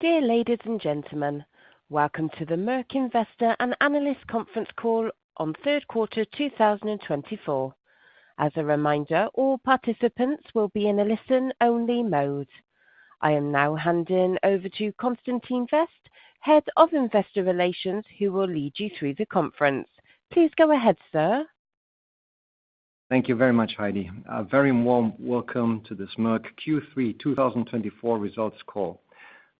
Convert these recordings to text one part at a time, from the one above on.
Dear ladies and gentlemen, welcome to the Merck Investor and Analyst Conference Call on Third Quarter 2024. As a reminder, all participants will be in a listen-only mode. I am now handing over to Constantin Fest, Head of Investor Relations, who will lead you through the conference. Please go ahead, sir. Thank you very much, Heidi. A very warm welcome to this Merck Q3 2024 results call.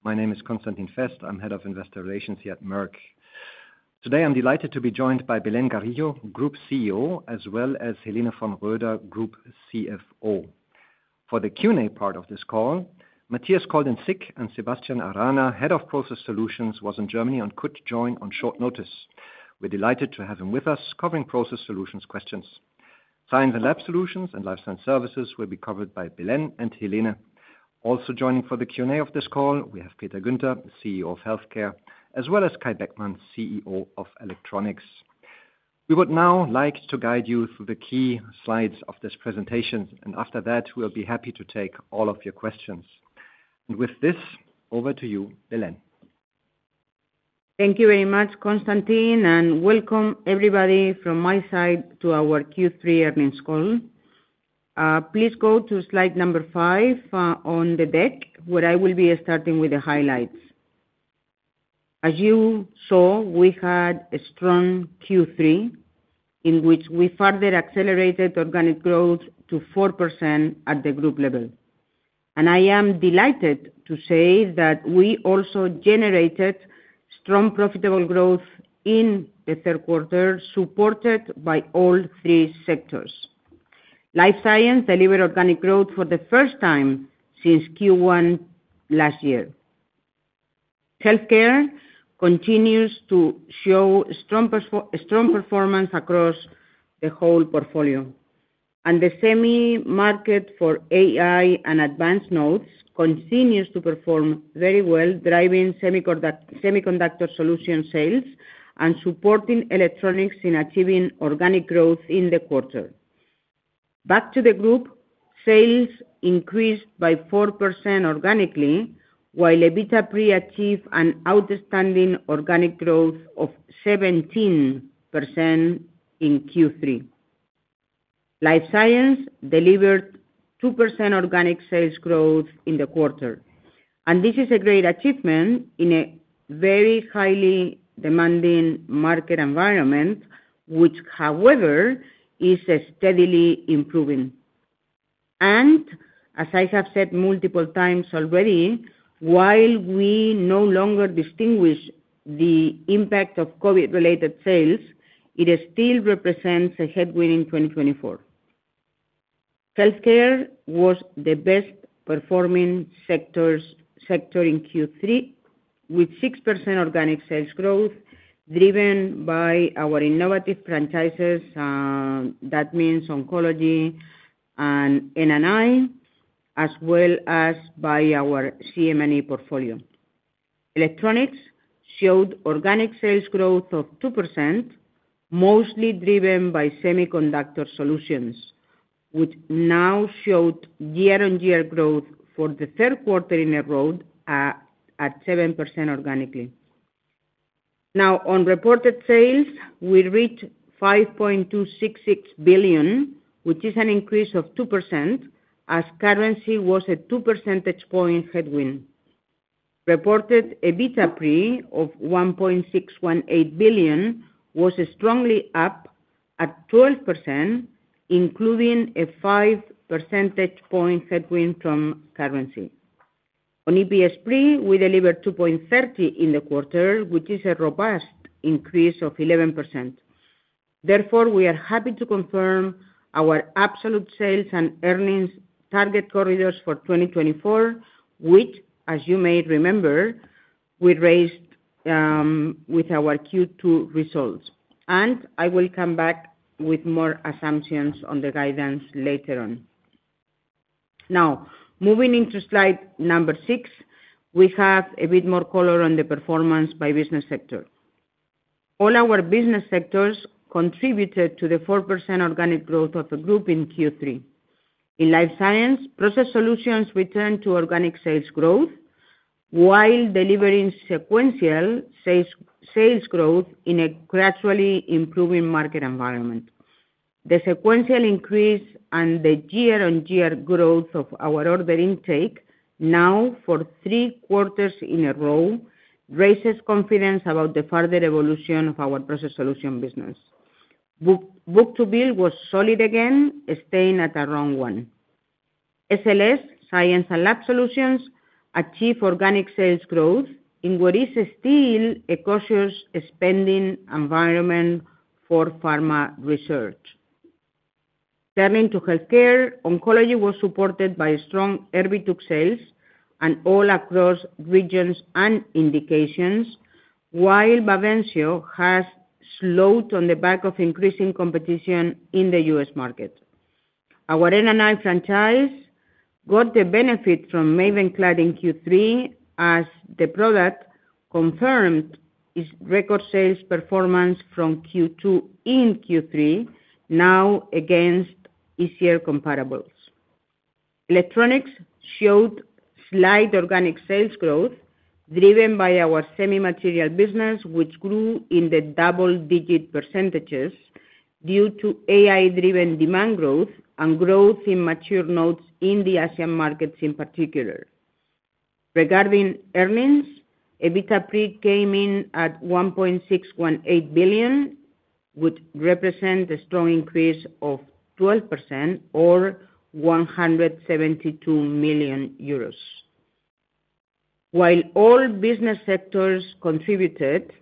My name is Constantin Fest. I'm Head of Investor Relations here at Merck. Today I'm delighted to be joined by Belén Garijo, Group CEO, as well as Helene von Roeder, Group CFO. For the Q&A part of this call, Matthias called in sick and Sebastián Arana, Head of Process Solutions, was in Germany and could join on short notice. We're delighted to have him with us covering Process Solutions questions. Science and Lab Solutions and Life Science Services will be covered by Belén and Helene. Also joining for the Q&A of this call, we have Peter Guenter, CEO of Healthcare, as well as Kai Beckmann, CEO of Electronics. We would now like to guide you through the key slides of this presentation, and after that, we'll be happy to take all of your questions. With this, over to you, Belén. Thank you very much, Constantin, and welcome everybody from my side to our Q3 earnings call. Please go to slide number five on the deck, where I will be starting with the highlights. As you saw, we had a strong Q3 in which we further accelerated organic growth to 4% at the group level, and I am delighted to say that we also generated strong profitable growth in the third quarter, supported by all three sectors. Life Science delivered organic growth for the first time since Q1 last year. Healthcare continues to show strong performance across the whole portfolio, and the semi-market for AI and advanced nodes continues to perform very well, driving Semiconductor Solutions sales and supporting Electronics in achieving organic growth in the quarter. Back to the group, sales increased by 4% organically, while EBITDA pre achieved an outstanding organic growth of 17% in Q3. Life Science delivered 2% organic sales growth in the quarter. And this is a great achievement in a very highly demanding market environment, which, however, is steadily improving. And as I have said multiple times already, while we no longer distinguish the impact of COVID-related sales, it still represents a headwind in 2024. Healthcare was the best-performing sector in Q3, with 6% organic sales growth driven by our innovative franchises, that means oncology and N&I, as well as by our CM&E portfolio. Electronics showed organic sales growth of 2%, mostly driven by Semiconductor Solutions, which now showed year-on-year growth for the third quarter in a row at 7% organically. Now, on reported sales, we reached 5.266 billion, which is an increase of 2%, as currency was a 2 percentage point headwind. Reported EBITDA pre of 1.618 billion was strongly up at 12%, including a 5 percentage point headwind from currency. On EPS pre, we delivered 2.30 in the quarter, which is a robust increase of 11%. Therefore, we are happy to confirm our absolute sales and earnings target corridors for 2024, which, as you may remember, we raised with our Q2 results. And I will come back with more assumptions on the guidance later on. Now, moving into slide number six, we have a bit more color on the performance by business sector. All our business sectors contributed to the 4% organic growth of the group in Q3. Life Science, process solutions returned to organic sales growth while delivering sequential sales growth in a gradually improving market environment. The sequential increase and the year-on-year growth of our order intake, now for three quarters in a row, raises confidence about the further evolution of our Process Solution business. Book-to-bill was solid again, staying at around one. SLS, Science and Lab Solutions, achieved organic sales growth in what is still a cautious spending environment for pharma research. Turning to healthcare, oncology was supported by strong Erbitux sales and all across regions and indications, while Bavencio has slowed on the back of increasing competition in the U.S. market. Our N&I franchise got the benefit from MAVENCLAD in Q3, as the product confirmed its record sales performance from Q2 in Q3, now against easier comparables. Electronics showed slight organic sales growth driven by our semi-material business, which grew in the double-digit percentages due to AI-driven demand growth and growth in mature nodes in the ASEAN markets in particular. Regarding earnings, EBITDA pre came in at 1.618 billion, which represents a strong increase of 12% or 172 million euros. While all business sectors contributed,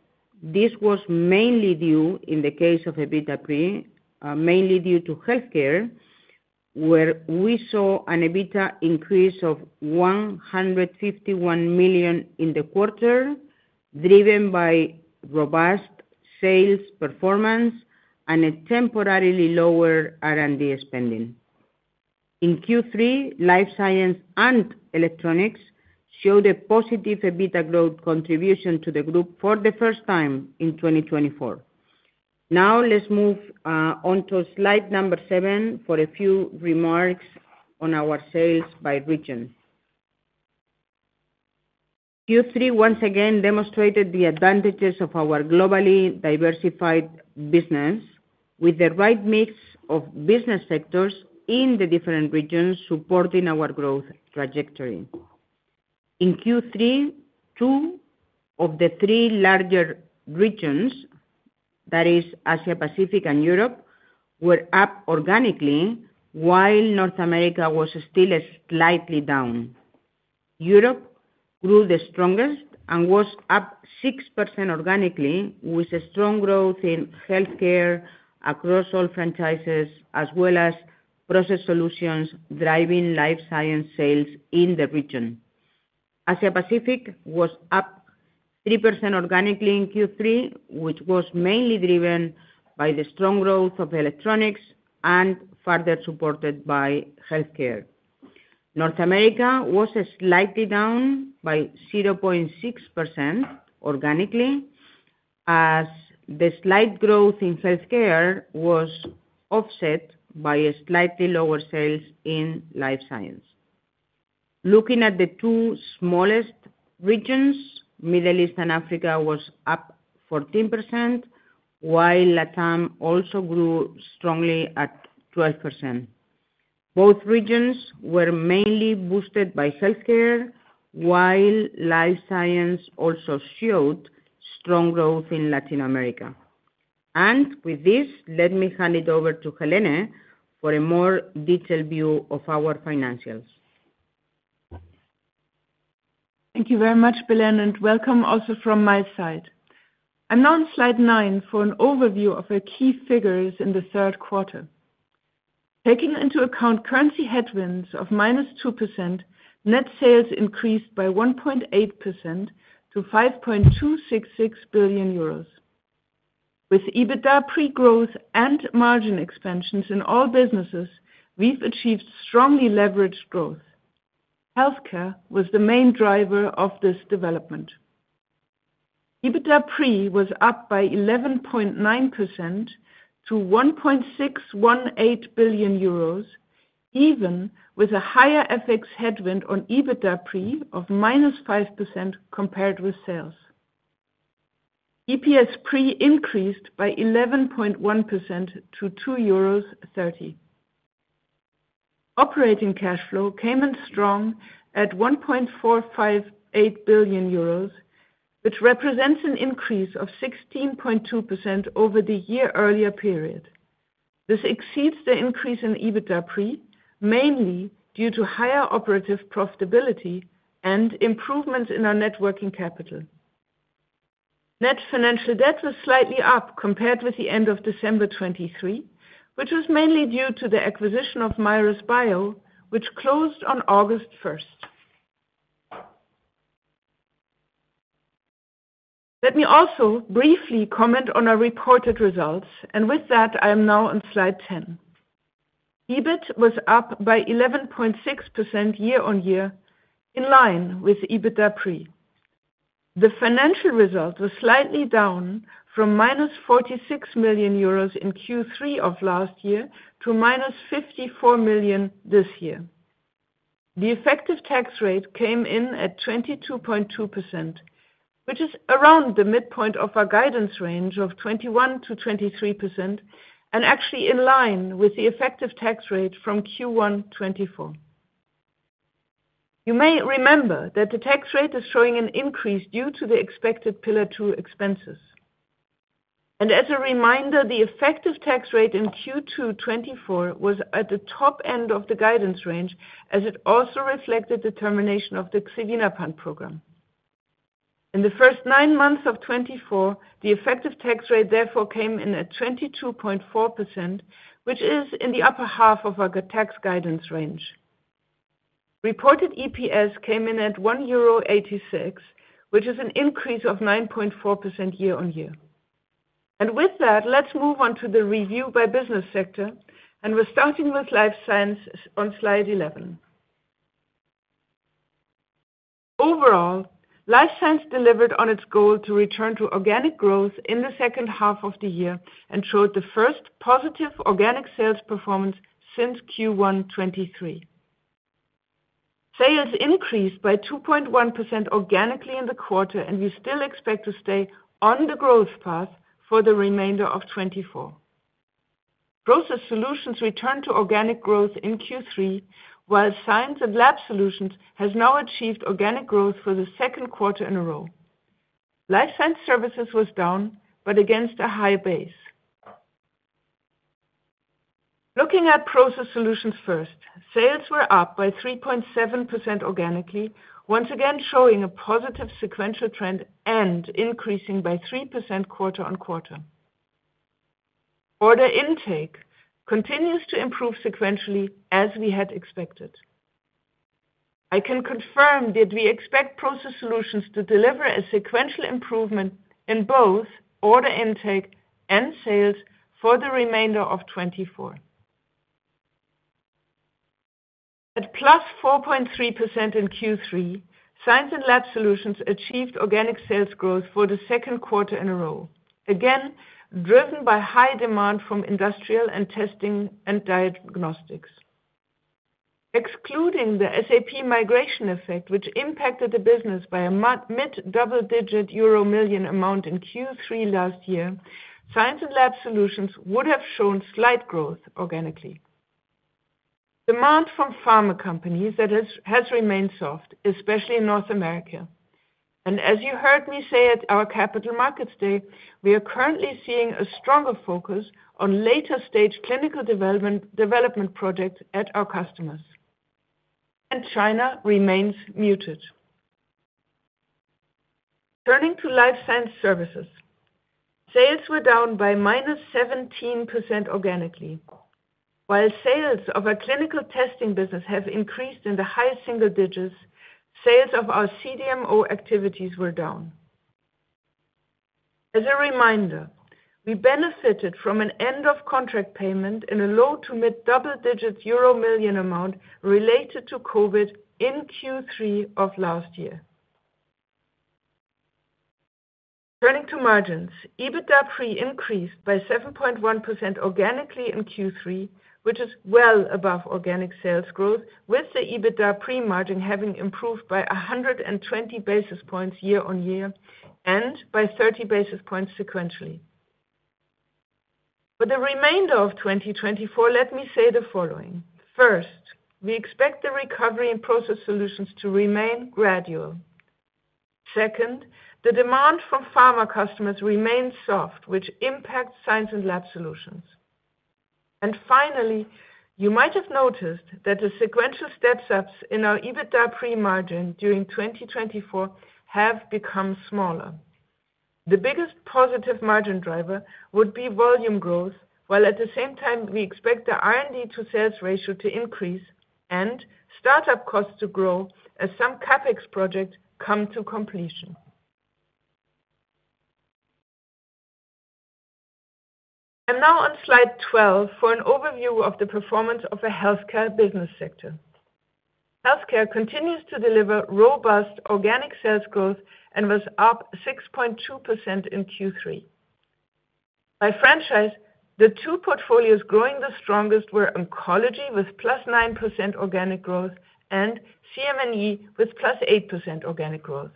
this was mainly due in the case of EBITDA pre, mainly due to healthcare, where we saw an EBITDA increase of 151 million in the quarter, driven by robust sales performance and a temporarily lower R&D spending. In Life Science and Electronics showed a positive EBITDA growth contribution to the group for the first time in 2024. Now, let's move on to slide number seven for a few remarks on our sales by region. Q3 once again demonstrated the advantages of our globally diversified business, with the right mix of business sectors in the different regions supporting our growth trajectory. In Q3, two of the three larger regions, that is, Asia-Pacific and Europe, were up organically, while North America was still slightly down. Europe grew the strongest and was up 6% organically, with strong growth in healthcare across all franchises, as well as Process Solutions Life Science sales in the region. Asia-Pacific was up 3% organically in Q3, which was mainly driven by the strong growth of Electronics and further supported by healthcare. North America was slightly down by 0.6% organically, as the slight growth in healthcare was offset by slightly lower sales in Life Science. looking at the two smallest regions, Middle East and Africa was up 14%, while LATAM also grew strongly at 12%. Both regions were mainly boosted by healthcare, Life Science also showed strong growth in Latin America and with this, let me hand it over to Helene for a more detailed view of our financials. Thank you very much, Belén, and welcome also from my side. I'm now on slide nine for an overview of our key figures in the third quarter. Taking into account currency headwinds of minus 2%, net sales increased by 1.8% to 5.266 billion euros. With EBITDA pre-growth and margin expansions in all businesses, we've achieved strongly leveraged growth. Healthcare was the main driver of this development. EBITDA pre was up by 11.9% to 1.618 billion euros, even with a higher FX headwind on EBITDA pre of minus 5% compared with sales. EPS pre increased by 11.1% to 2.30 euros. Operating cash flow came in strong at 1.458 billion euros, which represents an increase of 16.2% over the year-earlier period. This exceeds the increase in EBITDA pre, mainly due to higher operative profitability and improvements in our net working capital. Net financial debt was slightly up compared with the end of December 2023, which was mainly due to the acquisition of Mirus Bio, which closed on August 1st. Let me also briefly comment on our reported results, and with that, I am now on slide 10. EBIT was up by 11.6% year-on-year, in line with EBITDA pre. The financial result was slightly down from minus 46 million euros in Q3 of last year to minus 54 million EUR this year. The effective tax rate came in at 22.2%, which is around the midpoint of our guidance range of 21%-23%, and actually in line with the effective tax rate from Q1 2024. You may remember that the tax rate is showing an increase due to the expected Pillar II expenses. As a reminder, the effective tax rate in Q2 2024 was at the top end of the guidance range, as it also reflected the termination of the Xevinapant program. In the first nine months of 2024, the effective tax rate therefore came in at 22.4%, which is in the upper half of our tax guidance range. Reported EPS came in at 1.86 euro, which is an increase of 9.4% year-on-year. With that, let's move on to the review by business sector, and we're starting Life Science on slide 11. Life Science delivered on its goal to return to organic growth in the second half of the year and showed the first positive organic sales performance since Q1 2023. Sales increased by 2.1% organically in the quarter, and we still expect to stay on the growth path for the remainder of 2024. Process Solutions returned to organic growth in Q3, while Science and Lab Solutions has now achieved organic growth for the second quarter in a row. Life Science Services was down, but against a high base. Looking at Process Solutions first, sales were up by 3.7% organically, once again showing a positive sequential trend and increasing by 3% quarter on quarter. Order intake continues to improve sequentially, as we had expected. I can confirm that we expect Process Solutions to deliver a sequential improvement in both order intake and sales for the remainder of 2024. At plus 4.3% in Q3, Science and Lab Solutions achieved organic sales growth for the second quarter in a row, again driven by high demand from industrial and testing and diagnostics. Excluding the SAP migration effect, which impacted the business by a mid-double-digit EUR million amount in Q3 last year, Science and Lab Solutions would have shown slight growth organically. Demand from pharma companies has remained soft, especially in North America, and as you heard me say at our Capital Markets Day, we are currently seeing a stronger focus on later-stage clinical development projects at our customers, and China remains muted. Turning Life Science Services, sales were down by minus 17% organically. While sales of our clinical testing business have increased in the high single digits, sales of our CDMO activities were down. As a reminder, we benefited from an end-of-contract payment in a low- to mid-double-digit euro million amount related to COVID in Q3 of last year. Turning to margins, EBITDA pre increased by 7.1% organically in Q3, which is well above organic sales growth, with the EBITDA pre margin having improved by 120 basis points year-on-year and by 30 basis points sequentially. For the remainder of 2024, let me say the following. First, we expect the recovery in Process Solutions to remain gradual. Second, the demand from pharma customers remains soft, which impacts Science and Lab Solutions, and finally, you might have noticed that the sequential steps up in our EBITDA pre margin during 2024 have become smaller. The biggest positive margin driver would be volume growth, while at the same time, we expect the R&D to sales ratio to increase and startup costs to grow as some CapEx projects come to completion, and now on slide 12 for an overview of the performance of the healthcare business sector. Healthcare continues to deliver robust organic sales growth and was up 6.2% in Q3. By franchise, the two portfolios growing the strongest were Oncology with +9% organic growth and CM&E with +8% organic growth.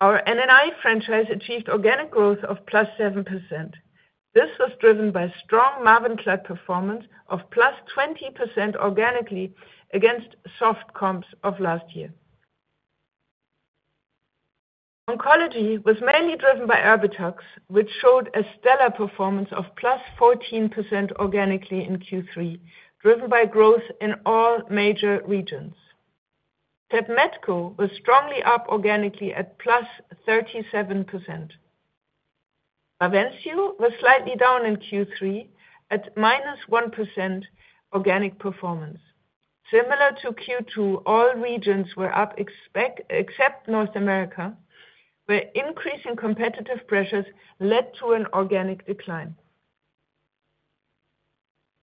Our N&I franchise achieved organic growth of +7%. This was driven by strong MAVENCLAD performance of +20% organically against soft comps of last year. Oncology was mainly driven by Erbitux, which showed a stellar performance of +14% organically in Q3, driven by growth in all major regions. Tepmetko was strongly up organically at +37%. Bavencio was slightly down in Q3 at -1% organic performance. Similar to Q2, all regions were up except North America, where increasing competitive pressures led to an organic decline.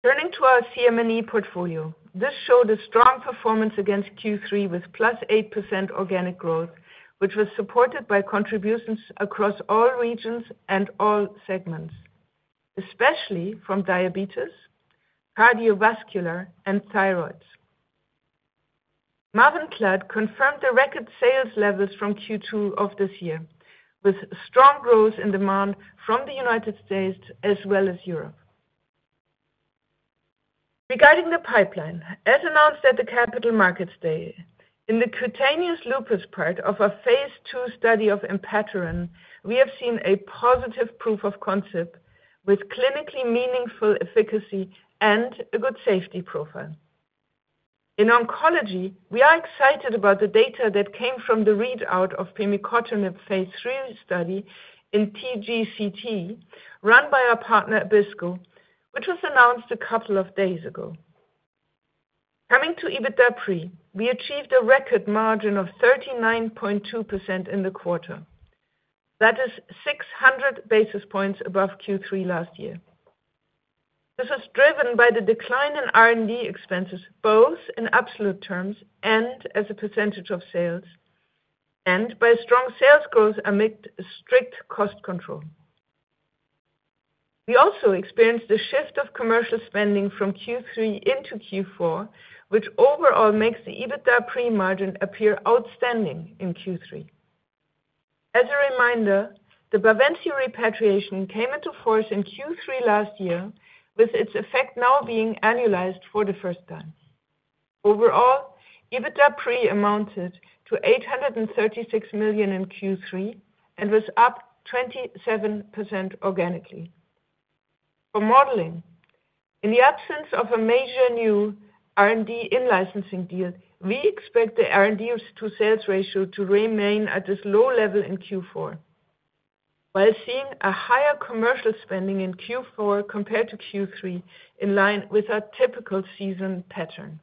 Turning to our CM&E portfolio, this showed a strong performance against Q3 with plus 8% organic growth, which was supported by contributions across all regions and all segments, especially from diabetes, cardiovascular, and thyroids. MAVENCLAD confirmed the record sales levels from Q2 of this year, with strong growth in demand from the United States as well as Europe. Regarding the pipeline, as announced at the Capital Markets Day, in the cutaneous lupus part of our phase II study of enpatoran, we have seen a positive proof of concept with clinically meaningful efficacy and a good safety profile. In oncology, we are excited about the data that came from the readout of pimicotinib phase III study in TGCT, run by our partner Abbisko, which was announced a couple of days ago. Coming to EBITDA pre, we achieved a record margin of 39.2% in the quarter. That is 600 basis points above Q3 last year. This was driven by the decline in R&D expenses, both in absolute terms and as a percentage of sales, and by strong sales growth amid strict cost control. We also experienced a shift of commercial spending from Q3 into Q4, which overall makes the EBITDA pre margin appear outstanding in Q3. As a reminder, the Bavencio repatriation came into force in Q3 last year, with its effect now being annualized for the first time. Overall, EBITDA pre amounted to 836 million in Q3 and was up 27% organically. For modeling, in the absence of a major new R&D in-licensing deal, we expect the R&D to sales ratio to remain at this low level in Q4, while seeing a higher commercial spending in Q4 compared to Q3, in line with our typical seasonal pattern.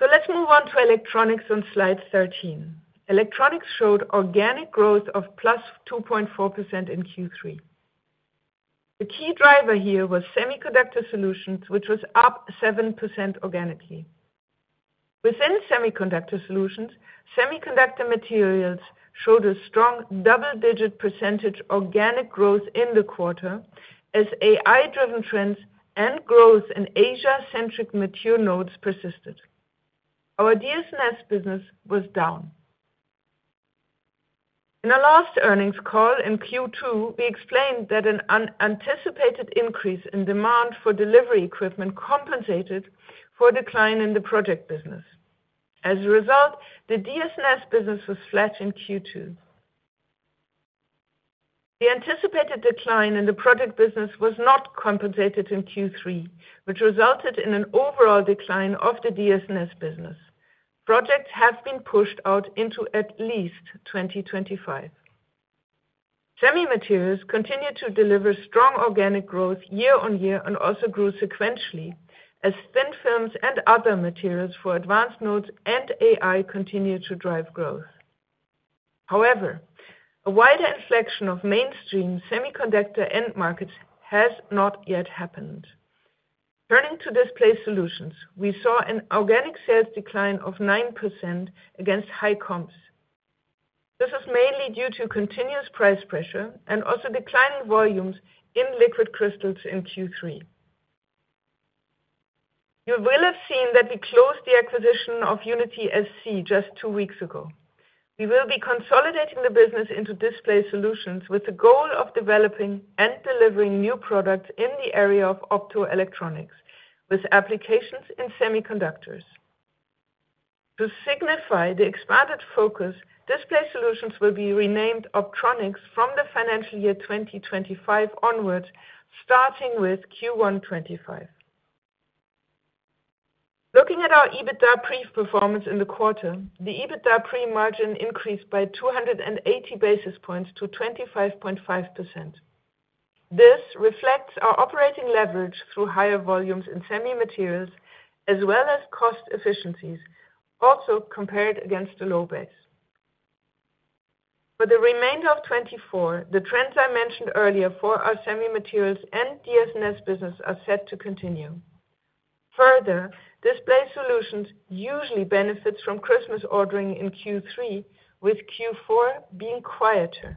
Let's move on to Electronics on slide 13. Electronics showed organic growth of +2.4% in Q3. The key driver here was Semiconductor Solutions, which was up 7% organically. Within Semiconductor Solutions, Semiconductor Materials showed a strong double-digit percentage organic growth in the quarter, as AI-driven trends and growth in Asia-centric material nodes persisted. Our DS&S business was down. In our last earnings call in Q2, we explained that an anticipated increase in demand for delivery equipment compensated for a decline in the project business. As a result, the DS&S business was flat in Q2. The anticipated decline in the project business was not compensated in Q3, which resulted in an overall decline of the DS&S business. Projects have been pushed out into at least 2025. Materials continued to deliver strong organic growth year-on-year and also grew sequentially, as thin films and other materials for advanced nodes and AI continue to drive growth. However, a wider inflection of mainstream semiconductor end markets has not yet happened. Turning to Display Solutions, we saw an organic sales decline of 9% against high comps. This is mainly due to continuous price pressure and also declining volumes in liquid crystals in Q3. You will have seen that we closed the acquisition of Unity-SC just two weeks ago. We will be consolidating the business into Display Solutions with the goal of developing and delivering new products in the area of optoelectronics, with applications in semiconductors. To signify the expanded focus, Display Solutions will be renamed Optronics from the financial year 2025 onwards, starting with Q1 2025. Looking at our EBITDA pre performance in the quarter, the EBITDA pre margin increased by 280 basis points to 25.5%. This reflects our operating leverage through higher volumes in semimaterials, as well as cost efficiencies, also compared against the low base. For the remainder of 2024, the trends I mentioned earlier for our semimaterials and DS&S business are set to continue. Further, Display Solutions usually benefits from Christmas ordering in Q3, with Q4 being quieter.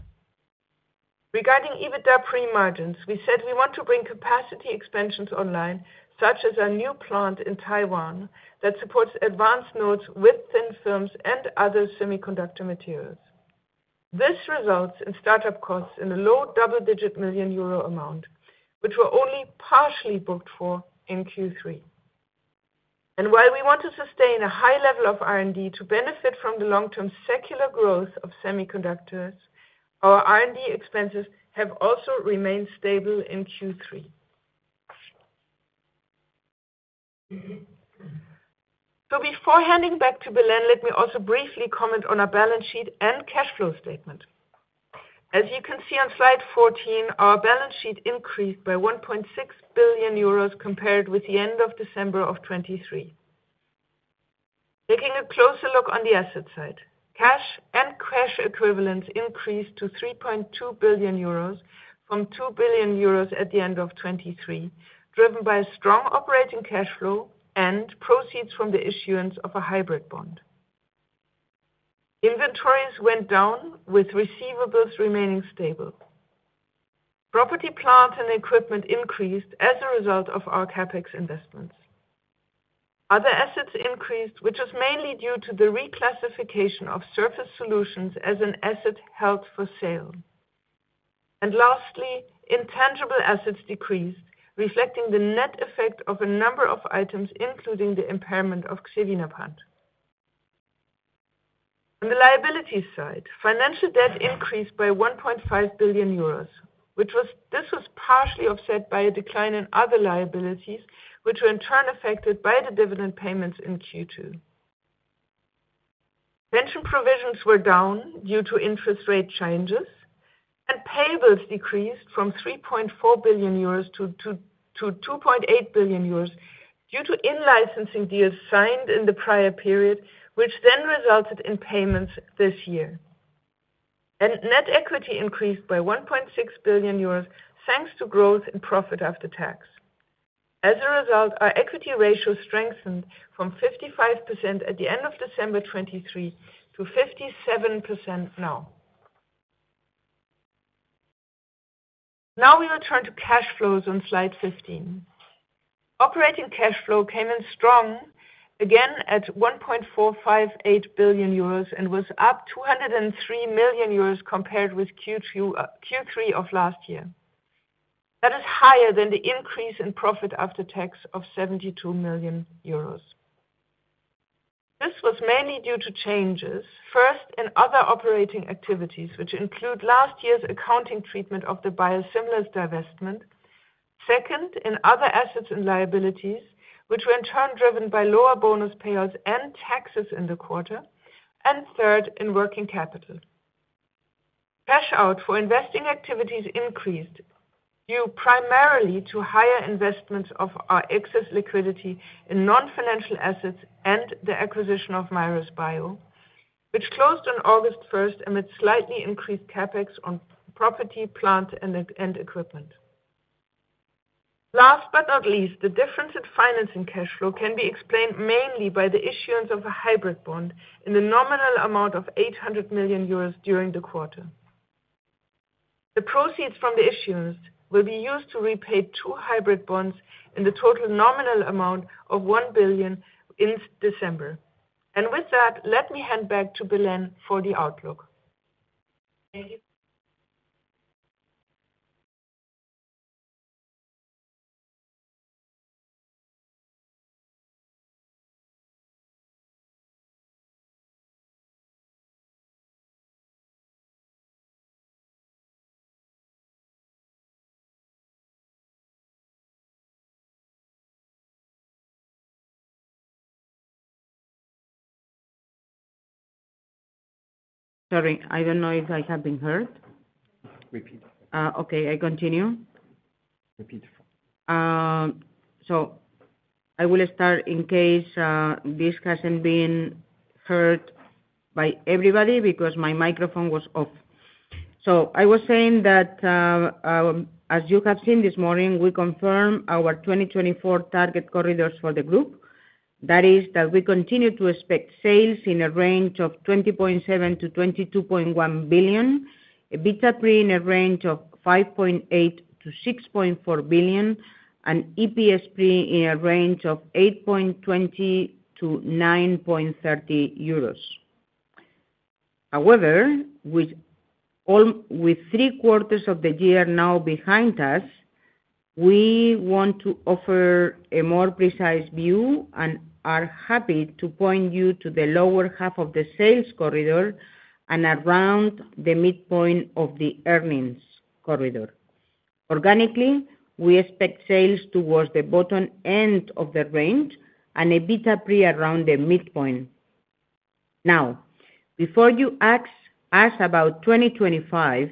Regarding EBITDA pre margins, we said we want to bring capacity expansions online, such as our new plant in Taiwan that supports advanced nodes with thin films and other semiconductor materials. This results in startup costs in a low double-digit million EUR amount, which were only partially booked for in Q3. While we want to sustain a high level of R&D to benefit from the long-term secular growth of semiconductors, our R&D expenses have also remained stable in Q3. Before handing back to Belén, let me also briefly comment on our balance sheet and cash flow statement. As you can see on slide 14, our balance sheet increased by 1.6 billion euros compared with the end of December of 2023. Taking a closer look on the asset side, cash and cash equivalents increased to 3.2 billion euros from 2 billion euros at the end of 2023, driven by a strong operating cash flow and proceeds from the issuance of a hybrid bond. Inventories went down, with receivables remaining stable. Property, plant, and equipment increased as a result of our CapEx investments. Other assets increased, which was mainly due to the reclassification of Surface Solutions as an asset held for sale. Lastly, intangible assets decreased, reflecting the net effect of a number of items, including the impairment of xevinapant. On the liability side, financial debt increased by 1.5 billion euros, which was partially offset by a decline in other liabilities, which were in turn affected by the dividend payments in Q2. Pension provisions were down due to interest rate changes, and payables decreased from 3.4 billion-2.8 billion euros due to in-licensing deals signed in the prior period, which then resulted in payments this year. Net equity increased by 1.6 billion euros, thanks to growth in profit after tax. As a result, our equity ratio strengthened from 55% at the end of December 2023 to 57% now. Now we will turn to cash flows on slide 15. Operating cash flow came in strong, again at 1.458 billion euros and was up 203 million euros compared with Q3 of last year. That is higher than the increase in profit after tax of 72 million euros. This was mainly due to changes, first in other operating activities, which include last year's accounting treatment of the biosimilars divestment, second in other assets and liabilities, which were in turn driven by lower bonus payouts and taxes in the quarter, and third in working capital. Cash out for investing activities increased due primarily to higher investments of our excess liquidity in non-financial assets and the acquisition of Mirus Bio, which closed on August 1st amid slightly increased CapEx on property, plant, and equipment. Last but not least, the difference in financing cash flow can be explained mainly by the issuance of a hybrid bond in the nominal amount of 800 million euros during the quarter. The proceeds from the issuance will be used to repay two hybrid bonds in the total nominal amount of 1 billion in December. And with that, let me hand back to Belén for the outlook. Thank you. Sorry, I don't know if I have been heard. Okay, I continue. So I will start in case this hasn't been heard by everybody because my microphone was off. So I was saying that, as you have seen this morning, we confirm our 2024 target corridors for the group. That is, that we continue to expect sales in a range of 20.7 billion-22.1 billion, EBITDA pre in a range of 5.8 billion-6.4 billion, and EPS pre in a range of 8.20-9.30 euros. However, with three quarters of the year now behind us, we want to offer a more precise view and are happy to point you to the lower half of the sales corridor and around the midpoint of the earnings corridor. Organically, we expect sales towards the bottom end of the range and EBITDA pre around the midpoint. Now, before you ask us about 2025,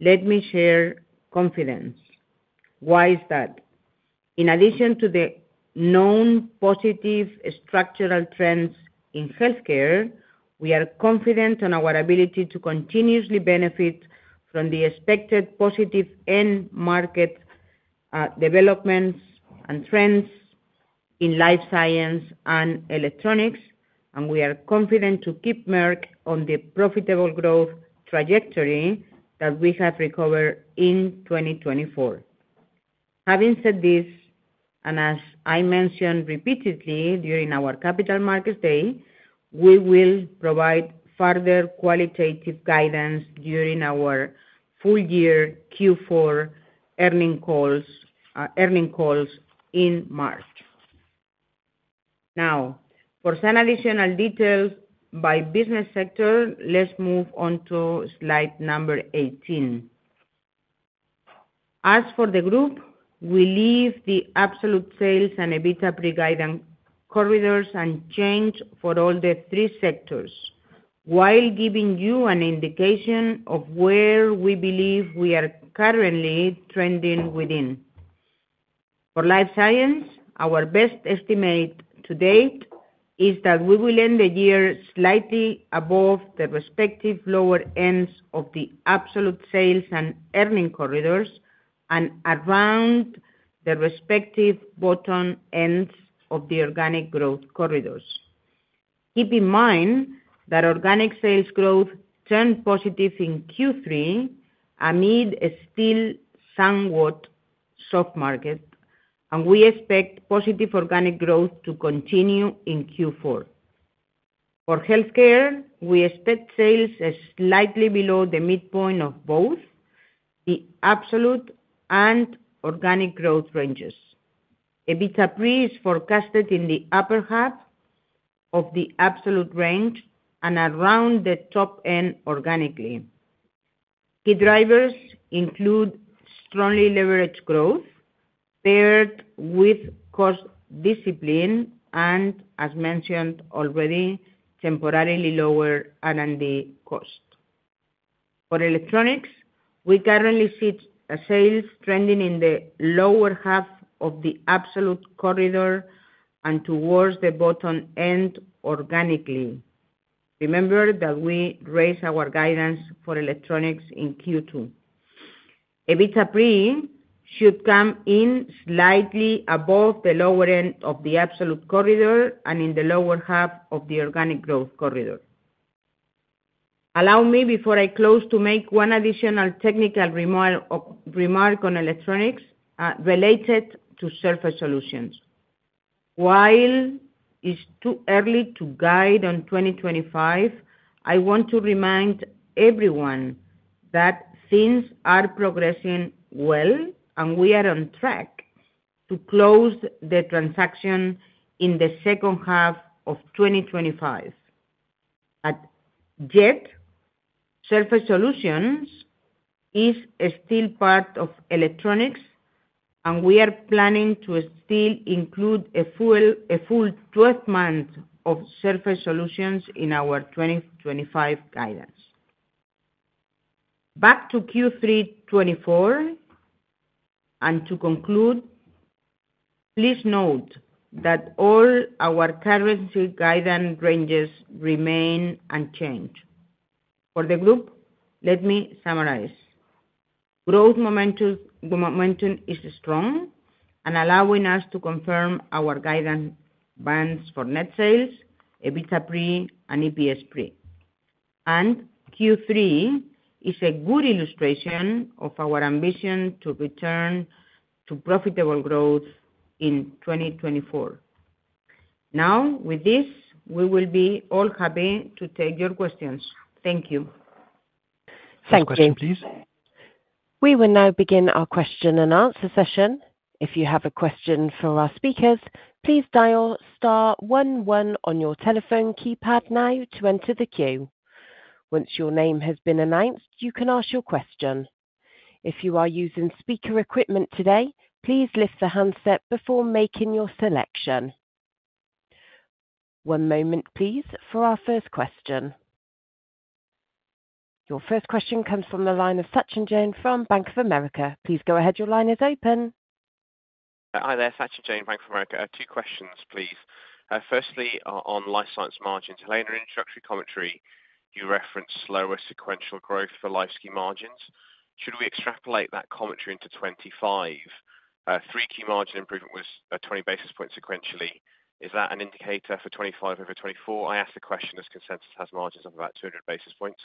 let me share confidence. Why is that? In addition to the known positive structural trends in healthcare, we are confident on our ability to continuously benefit from the expected positive end market developments and trends in Life Science and Electronics, and we are confident to keep Merck on the profitable growth trajectory that we have recovered in 2024. Having said this, and as I mentioned repeatedly during our Capital Markets Day, we will provide further qualitative guidance during our full year Q4 earnings calls in March. Now, for some additional details by business sector, let's move on to slide number 18. As for the group, we leave the absolute sales and EBITDA pre guidance corridors unchanged for all the three sectors, while giving you an indication of where we believe we are currently trending within. Life Science, our best estimate to date is that we will end the year slightly above the respective lower ends of the absolute sales and earnings corridors and around the respective bottom ends of the organic growth corridors. Keep in mind that organic sales growth turned positive in Q3 amid a still somewhat soft market, and we expect positive organic growth to continue in Q4. For Healthcare, we expect sales slightly below the midpoint of both the absolute and organic growth ranges. EBITDA pre is forecasted in the upper half of the absolute range and around the top end organically. Key drivers include strongly leveraged growth paired with cost discipline and, as mentioned already, temporarily lower R&D cost. For Electronics, we currently see sales trending in the lower half of the absolute corridor and towards the bottom end organically. Remember that we raised our guidance for Electronics in Q2. EBITDA pre should come in slightly above the lower end of the absolute corridor and in the lower half of the organic growth corridor. Allow me, before I close, to make one additional technical remark on Electronics related to Surface Solutions. While it's too early to guide on 2025, I want to remind everyone that things are progressing well and we are on track to close the transaction in the second half of 2025. As yet, Surface Solutions is still part of electronics, and we are planning to still include a full 12 months of Surface Solutions in our 2025 guidance. Back to Q3 2024, and to conclude, please note that all our current guidance ranges remain unchanged. For the group, let me summarize. Growth momentum is strong, allowing us to confirm our guidance bands for net sales, EBITDA pre, and EPS pre. And Q3 is a good illustration of our ambition to return to profitable growth in 2024. Now, with this, we will be all happy to take your questions. Thank you. Thank you. Question, please. We will now begin our question and answer session. If you have a question for our speakers, please dial star one one on your telephone keypad now to enter the queue. Once your name has been announced, you can ask your question. If you are using speaker equipment today, please lift the handset before making your selection. One moment, please, for our first question. Your first question comes from the line of Sachin Jain from Bank of America. Please go ahead. Your line is open. Hi there, Sachin Jain from Bank of America. Two questions, please. Firstly, Life Science margins, Helene, in introductory commentary, you referenced slower sequential growth Life Science margins. Should we extrapolate that commentary into 2025? 3Q margin improvement was 20 basis points sequentially. Is that an indicator for 2025 over 2024? I asked the question as consensus has margins of about 200 basis points.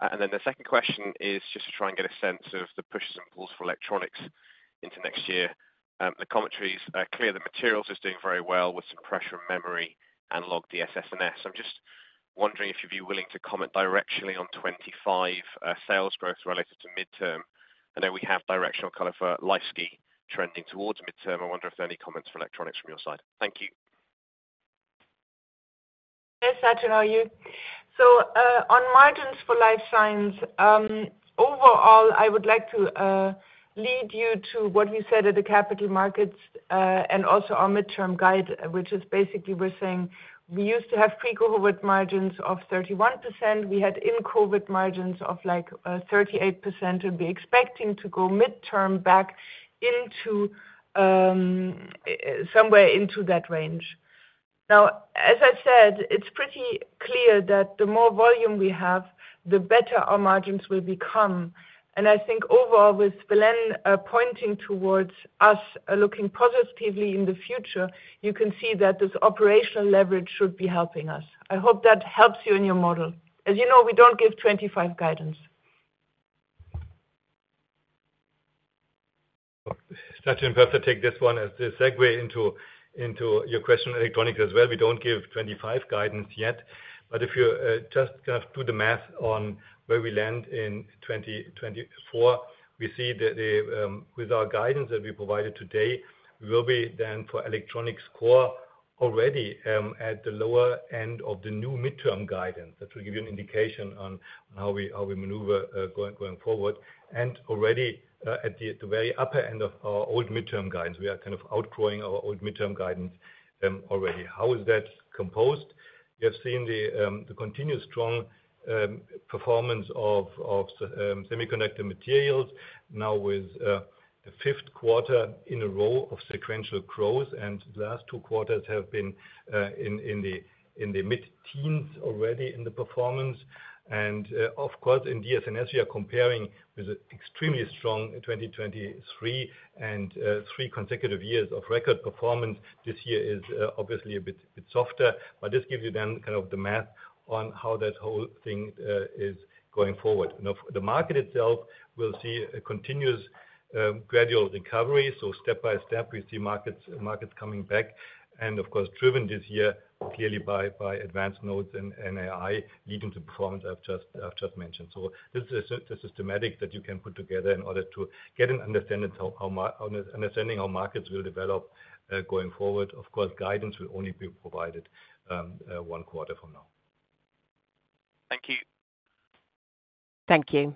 And then the second question is just to try and get a sense of the pushes and pulls for electronics into next year. The commentary is clear that materials is doing very well with some pressure on memory and logic DS&S. I'm just wondering if you'd be willing to comment directionally on 2025 sales growth relative to midterm. I know we have directional color Life Science trending towards midterm. I wonder if there are any comments for Electronics from your side. Thank you. Yes, Sachin, how are you? On margins Life Science, overall, I would like to lead you to what we said at the Capital Markets and also our midterm guide, which is basically we're saying we used to have pre-COVID margins of 31%. We had in-COVID margins of like 38%, and we're expecting to go midterm back somewhere into that range. Now, as I said, it's pretty clear that the more volume we have, the better our margins will become. And I think overall, with Belén pointing towards us looking positively in the future, you can see that this operational leverage should be helping us. I hope that helps you in your model. As you know, we don't give 2025 guidance. Sachin, perhaps I take this one as a segue into your question on Electronics as well. We don't give 2025 guidance yet, but if you just kind of do the math on where we land in 2024, we see that with our guidance that we provided today, we will be then for Electronics core already at the lower end of the new midterm guidance. That will give you an indication on how we maneuver going forward. And already at the very upper end of our old midterm guidance, we are kind of outgrowing our old midterm guidance already. How is that composed? You have seen the continued strong performance of Semiconductor Materials now with the fifth quarter in a row of sequential growth, and the last two quarters have been in the mid-teens already in the performance. And of course, in DS&S, we are comparing with an extremely strong 2023 and three consecutive years of record performance. This year is obviously a bit softer, but this gives you then kind of the math on how that whole thing is going forward. The market itself will see a continuous gradual recovery. So step by step, we see markets coming back and, of course, driven this year clearly by advanced nodes and AI leading to performance I've just mentioned. So this is a systematic that you can put together in order to get an understanding how markets will develop going forward. Of course, guidance will only be provided one quarter from now. Thank you. Thank you.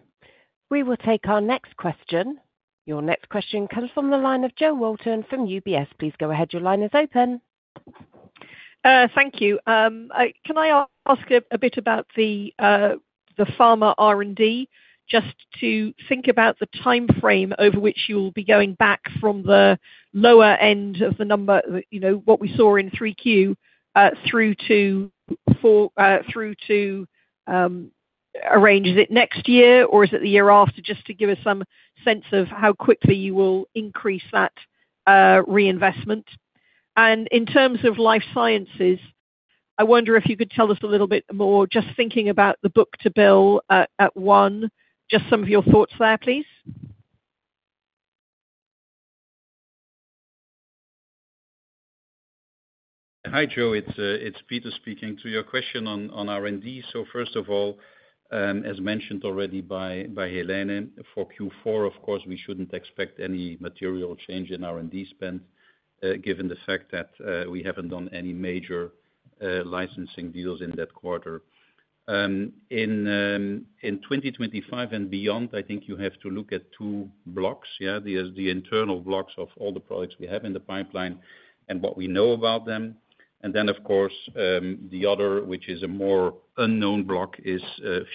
We will take our next question. Your next question comes from the line of Jo Walton from UBS. Please go ahead. Your line is open. Thank you. Can I ask a bit about the pharma R&D? Just to think about the timeframe over which you will be going back from the lower end of the number, what we saw in 3Q, through to a range. Is it next year, or is it the year after? Just to give us some sense of how quickly you will increase that reinvestment. And in Life Science, i wonder if you could tell us a little bit more, just thinking about the book-to-bill at one, just some of your thoughts there, please. Hi, Jo. It's Peter speaking. To your question on R&D, so first of all, as mentioned already by Helene, for Q4, of course, we shouldn't expect any material change in R&D spend given the fact that we haven't done any major licensing deals in that quarter. In 2025 and beyond, I think you have to look at two blocks, the internal blocks of all the products we have in the pipeline and what we know about them. Then, of course, the other, which is a more unknown block, is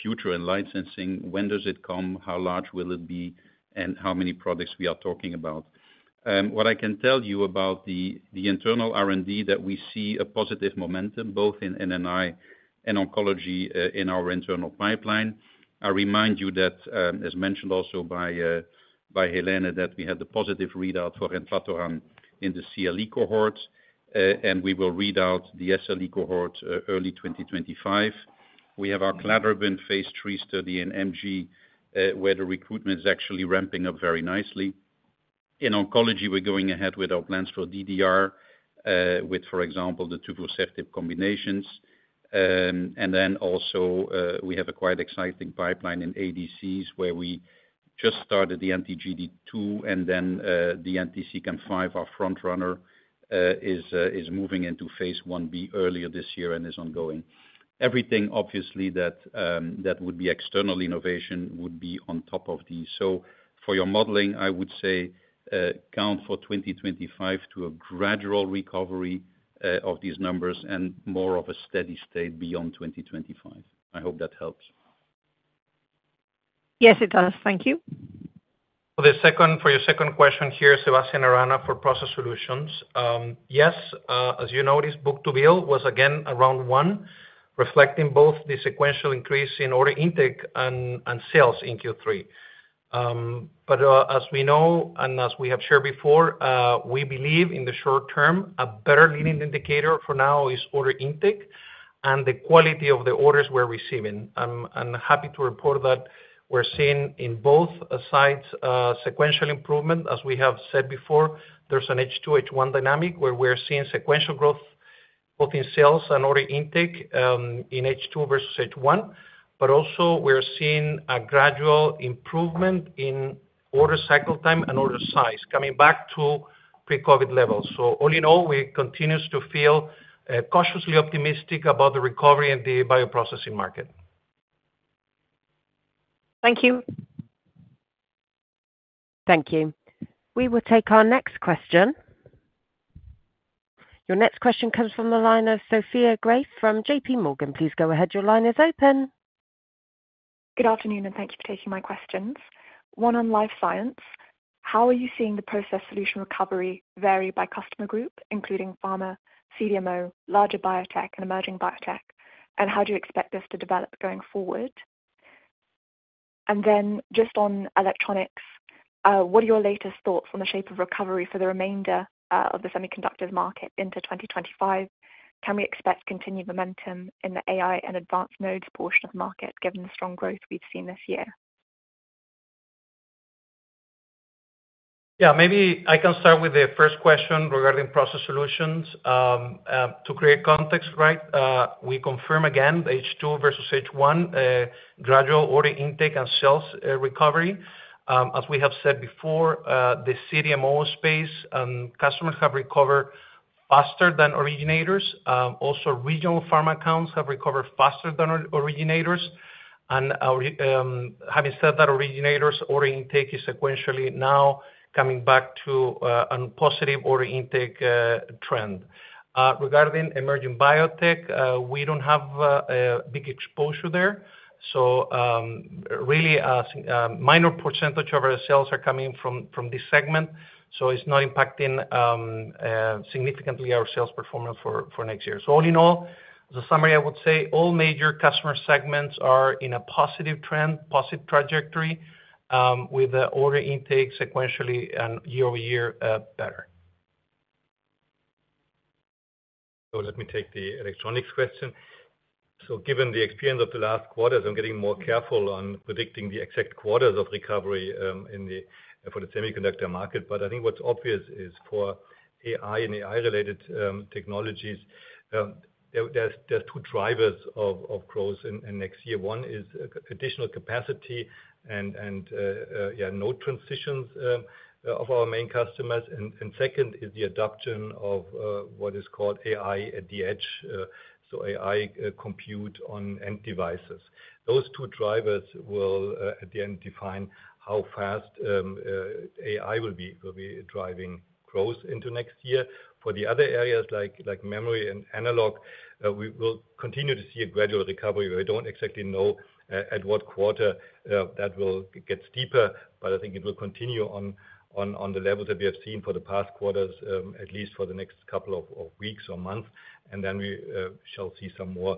future and licensing. When does it come? How large will it be? And how many products we are talking about? What I can tell you about the internal R&D that we see a positive momentum both in N&I and oncology in our internal pipeline. I remind you that, as mentioned also by Helene, that we had the positive readout for enpatoran in the CLE cohort, and we will read out the SLE cohort early 2025. We have our cladribine phase III study in MG where the recruitment is actually ramping up very nicely. In oncology, we're going ahead with our plans for DDR with, for example, the tuvusertib combinations. And then also we have a quite exciting pipeline in ADCs where we just started the anti-GD2, and then the anti-CEACAM5, our front runner, is moving into phase I-B earlier this year and is ongoing. Everything, obviously, that would be external innovation would be on top of these. So for your modeling, I would say count for 2025 to a gradual recovery of these numbers and more of a steady state beyond 2025. I hope that helps. Yes, it does. Thank you. For your second question here, Sebastián Arana for Process Solutions. Yes, as you noticed, book-to-bill was again around one, reflecting both the sequential increase in order intake and sales in Q3. But as we know and as we have shared before, we believe in the short term, a better leading indicator for now is order intake and the quality of the orders we're receiving. I'm happy to report that we're seeing in both sides sequential improvement. As we have said before, there's an H2, H1 dynamic where we're seeing sequential growth both in sales and order intake in H2 versus H1, but also we're seeing a gradual improvement in order cycle time and order size coming back to pre-COVID levels. So all in all, we continue to feel cautiously optimistic about the recovery in the bioprocessing market. Thank you. Thank you. We will take our next question. Your next question comes from the line of Sophia Graeff from J.P. Morgan. Please go ahead. Your line is open. Good afternoon, and thank you for taking my questions. One on Life Science. How are you seeing the Process Solutions recovery vary by customer group, including pharma, CDMO, larger biotech, and emerging biotech? And how do you expect this to develop going forward? And then just on Electronics, what are your latest thoughts on the shape of recovery for the remainder of the semiconductor market into 2025? Can we expect continued momentum in the AI and advanced nodes portion of the market given the strong growth we've seen this year? Yeah, maybe I can start with the first question regarding Process Solutions. To create context, right, we confirm again H2 versus H1, gradual order intake and sales recovery. As we have said before, the CDMO space and customers have recovered faster than originators. Also, regional pharma accounts have recovered faster than originators. And having said that, originators' order intake is sequentially now coming back to a positive order intake trend. Regarding emerging biotech, we don't have a big exposure there. So really, a minor percentage of our sales are coming from this segment, so it's not impacting significantly our sales performance for next year. So all in all, as a summary, I would say all major customer segments are in a positive trend, positive trajectory, with the order intake sequentially and year over year better. So let me take the Electronics question. So given the experience of the last quarters, I'm getting more careful on predicting the exact quarters of recovery for the semiconductor market. But I think what's obvious is for AI and AI-related technologies, there's two drivers of growth in next year. One is additional capacity and node transitions of our main customers. And second is the adoption of what is called AI at the edge, so AI compute on end devices. Those two drivers will, at the end, define how fast AI will be driving growth into next year. For the other areas like memory and analog, we will continue to see a gradual recovery. We don't exactly know at what quarter that will get steeper, but I think it will continue on the levels that we have seen for the past quarters, at least for the next couple of weeks or months, and then we shall see some more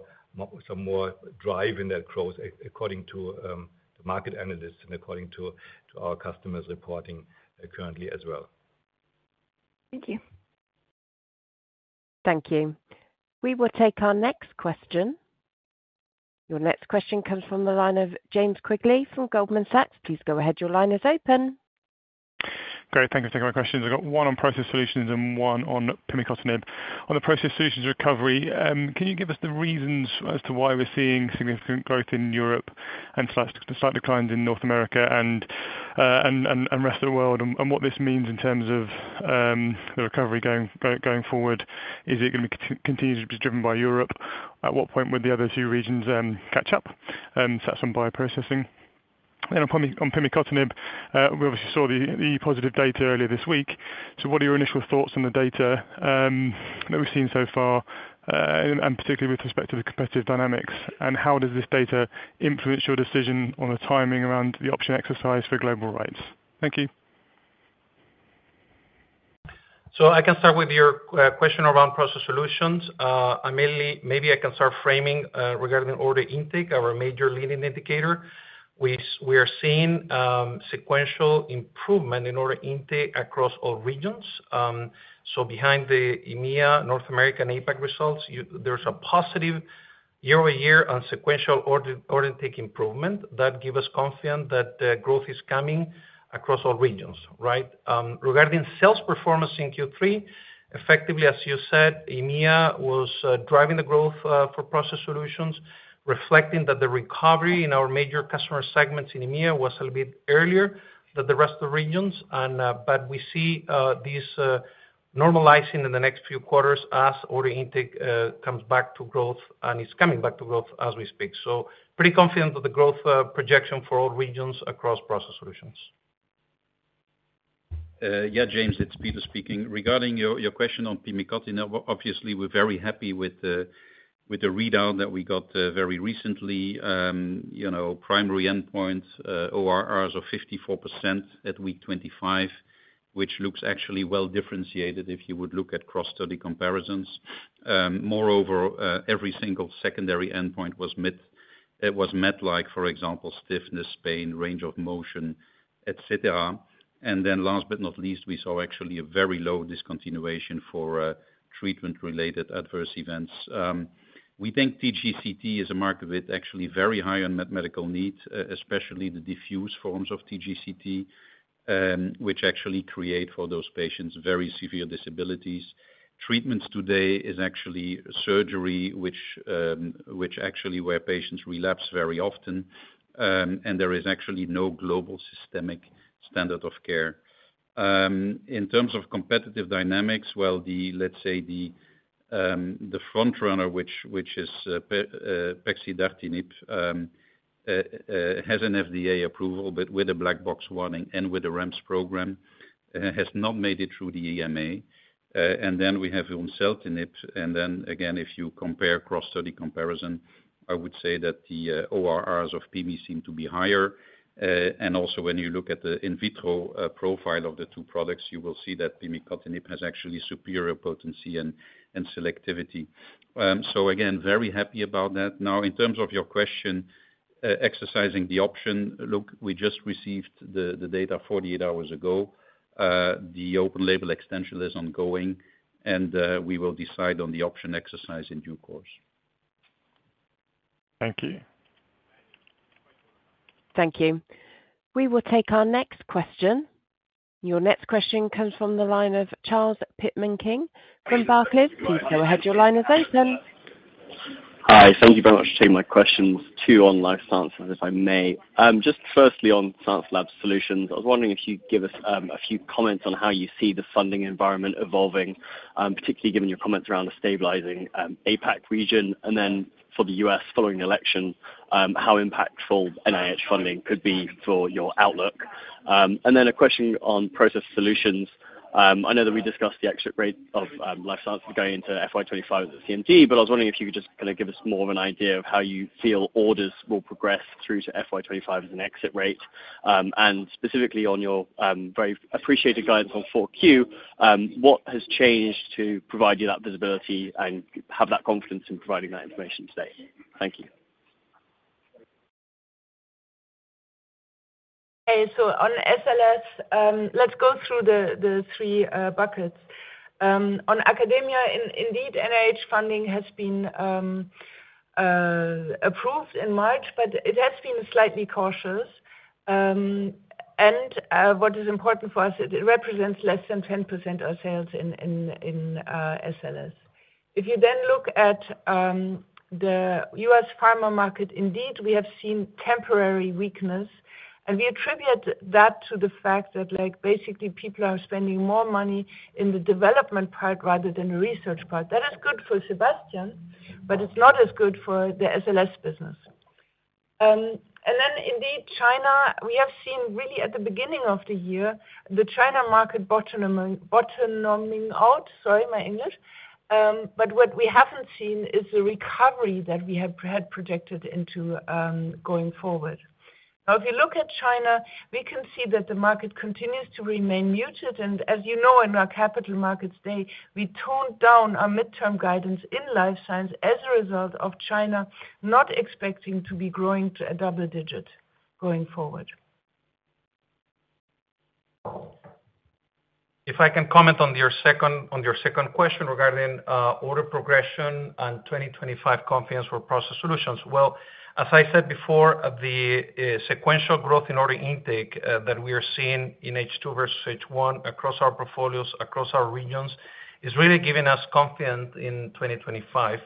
drive in that growth according to the market analysts and according to our customers reporting currently as well. Thank you. Thank you. We will take our next question. Your next question comes from the line of James Quigley from Goldman Sachs. Please go ahead. Your line is open. Great. Thank you for taking my questions. I've got one on Process Solutions and one on pimicotinib. On the Process Solutions recovery, can you give us the reasons as to why we're seeing significant growth in Europe and slight declines in North America and rest of the world? And what this means in terms of the recovery going forward? Is it going to be continuously driven by Europe? At what point would the other two regions catch up, such as bioprocessing? And on pimicotinib and Abbisko, we obviously saw the positive data earlier this week. So what are your initial thoughts on the data that we've seen so far, and particularly with respect to the competitive dynamics? And how does this data influence your decision on the timing around the option exercise for global rights? Thank you. So I can start with your question around Process Solutions. Maybe I can start framing regarding order intake, our major leading indicator. We are seeing sequential improvement in order intake across all regions. So behind the EMEA, North America, and APAC results, there's a positive year-over-year and sequential order intake improvement that gives us confidence that growth is coming across all regions. Regarding sales performance in Q3, effectively, as you said, EMEA was driving the growth for Process Solutions, reflecting that the recovery in our major customer segments in EMEA was a little bit earlier than the rest of the regions. But we see this normalizing in the next few quarters as order intake comes back to growth and is coming back to growth as we speak. So pretty confident that the growth projection for all regions across Process Solutions. Yeah, James, it's Peter speaking. Regarding your question on pimicotinib, obviously, we're very happy with the readout that we got very recently. Primary endpoint ORRs of 54% at week 25, which looks actually well differentiated if you would look at cross-study comparisons. Moreover, every single secondary endpoint was met, like, for example, stiffness, pain, range of motion, etc. And then last but not least, we saw actually a very low discontinuation for treatment-related adverse events. We think TGCT is a market with actually very high unmet medical needs, especially the diffuse forms of TGCT, which actually create for those patients very severe disabilities. Treatments today is actually surgery, which actually where patients relapse very often, and there is actually no global systemic standard of care. In terms of competitive dynamics, well, let's say the front runner, which is pexidartinib, has an FDA approval, but with a black box warning and with a REMS program, has not made it through the EMA. And then we have vimseltinib. And then again, if you compare cross-study comparison, I would say that the ORRs of pimicotinib seem to be higher. And also when you look at the in vitro profile of the two products, you will see that pimicotinib has actually superior potency and selectivity. So again, very happy about that. Now, in terms of your question, exercising the option, look, we just received the data 48 hours ago. The open label extension is ongoing, and we will decide on the option exercise in due course. Thank you. Thank you. We will take our next question. Your next question comes from the line of Charles Pitman-King from Barclays. Please go ahead. Your line is open. Hi. Thank you very much for taking my question. Life Science, if i may. Just firstly on Science and Lab Solutions, I was wondering if you could give us a few comments on how you see the funding environment evolving, particularly given your comments around the stabilizing APAC region, and then for the U.S. following the election, how impactful NIH funding could be for your outlook? And then a question on Process Solutions. I know that we discussed the exit rate Life Science going into FY 2025 with the CMD, but I was wondering if you could just kind of give us more of an idea of how you feel orders will progress through to FY 2025 as an exit rate. And specifically on your very appreciated guidance on 4Q, what has changed to provide you that visibility and have that confidence in providing that information today? Thank you. Okay. So on SLS, let's go through the three buckets. On academia, indeed, NIH funding has been approved in March, but it has been slightly cautious, and what is important for us, it represents less than 10% of sales in SLS. If you then look at the U.S. pharma market, indeed, we have seen temporary weakness, and we attribute that to the fact that basically people are spending more money in the development part rather than the research part. That is good for Sebastián, but it's not as good for the SLS business, and then indeed, China, we have seen really at the beginning of the year, the China market bottoming out. Sorry, my English, but what we haven't seen is the recovery that we had projected into going forward. Now, if you look at China, we can see that the market continues to remain muted. And as you know, in our Capital Markets Day, we toned down our mid-term guidance Life Sciences as a result of China not expecting to be growing to a double-digit going forward. If I can comment on your second question regarding order progression and 2025 confidence for Process Solutions. Well, as I said before, the sequential growth in order intake that we are seeing in H2 versus H1 across our portfolios, across our regions, is really giving us confidence in 2025.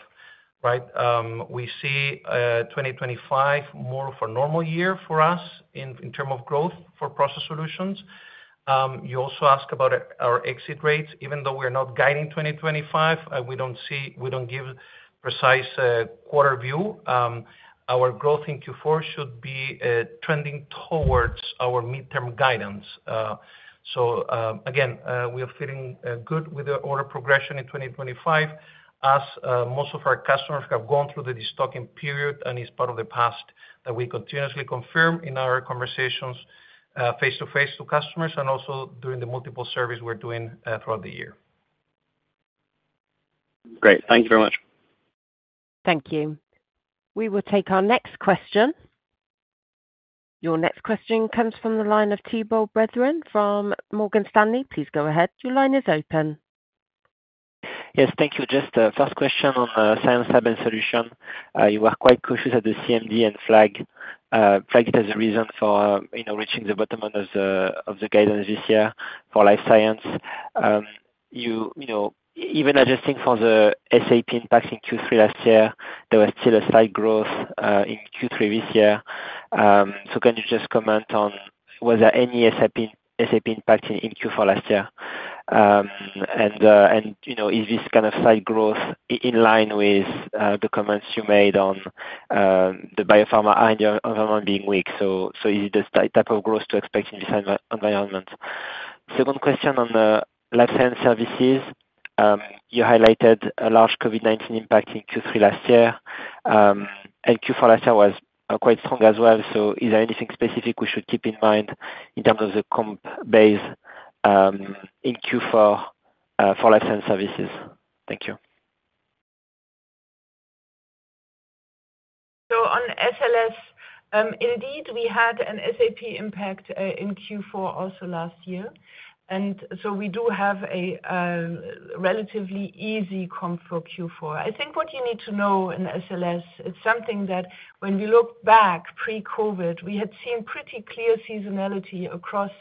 We see 2025 more of a normal year for us in terms of growth for Process Solutions. You also asked about our exit rates. Even though we are not guiding 2025, we don't give precise quarter view. Our growth in Q4 should be trending toward our mid-term guidance. So again, we are feeling good with the order progression in 2025 as most of our customers have gone through the destocking period, and it's part of the past that we continuously confirm in our conversations face-to-face to customers and also during the multiple surveys we're doing throughout the year. Great. Thank you very much. Thank you. We will take our next question. Your next question comes from the line of Thibault Boutherin from Morgan Stanley. Please go ahead. Your line is open. Yes. Thank you. Just a fast question on Science and Lab Solutions. You were quite cautious at the CMD and flagged the reason for reaching the bottom end of the guidance this year Life Science. even adjusting for the SAP impact in Q3 last year, there was still a slight growth in Q3 this year. So, can you just comment on, was there any SAP impact in Q4 last year? And is this kind of slight growth in line with the comments you made on the biopharma environment being weak? So is it the type of growth to expect in this environment? Second question Life Science Services. You highlighted a large COVID-19 impact in Q3 last year, and Q4 last year was quite strong as well. So is there anything specific we should keep in mind in terms of the comp base in Q4 Life Science Services? Thank you. So on SLS, indeed, we had an SAP impact in Q4 also last year. And so we do have a relatively easy comp for Q4. I think what you need to know in SLS, it's something that when we look back pre-COVID, we had seen pretty clear seasonality across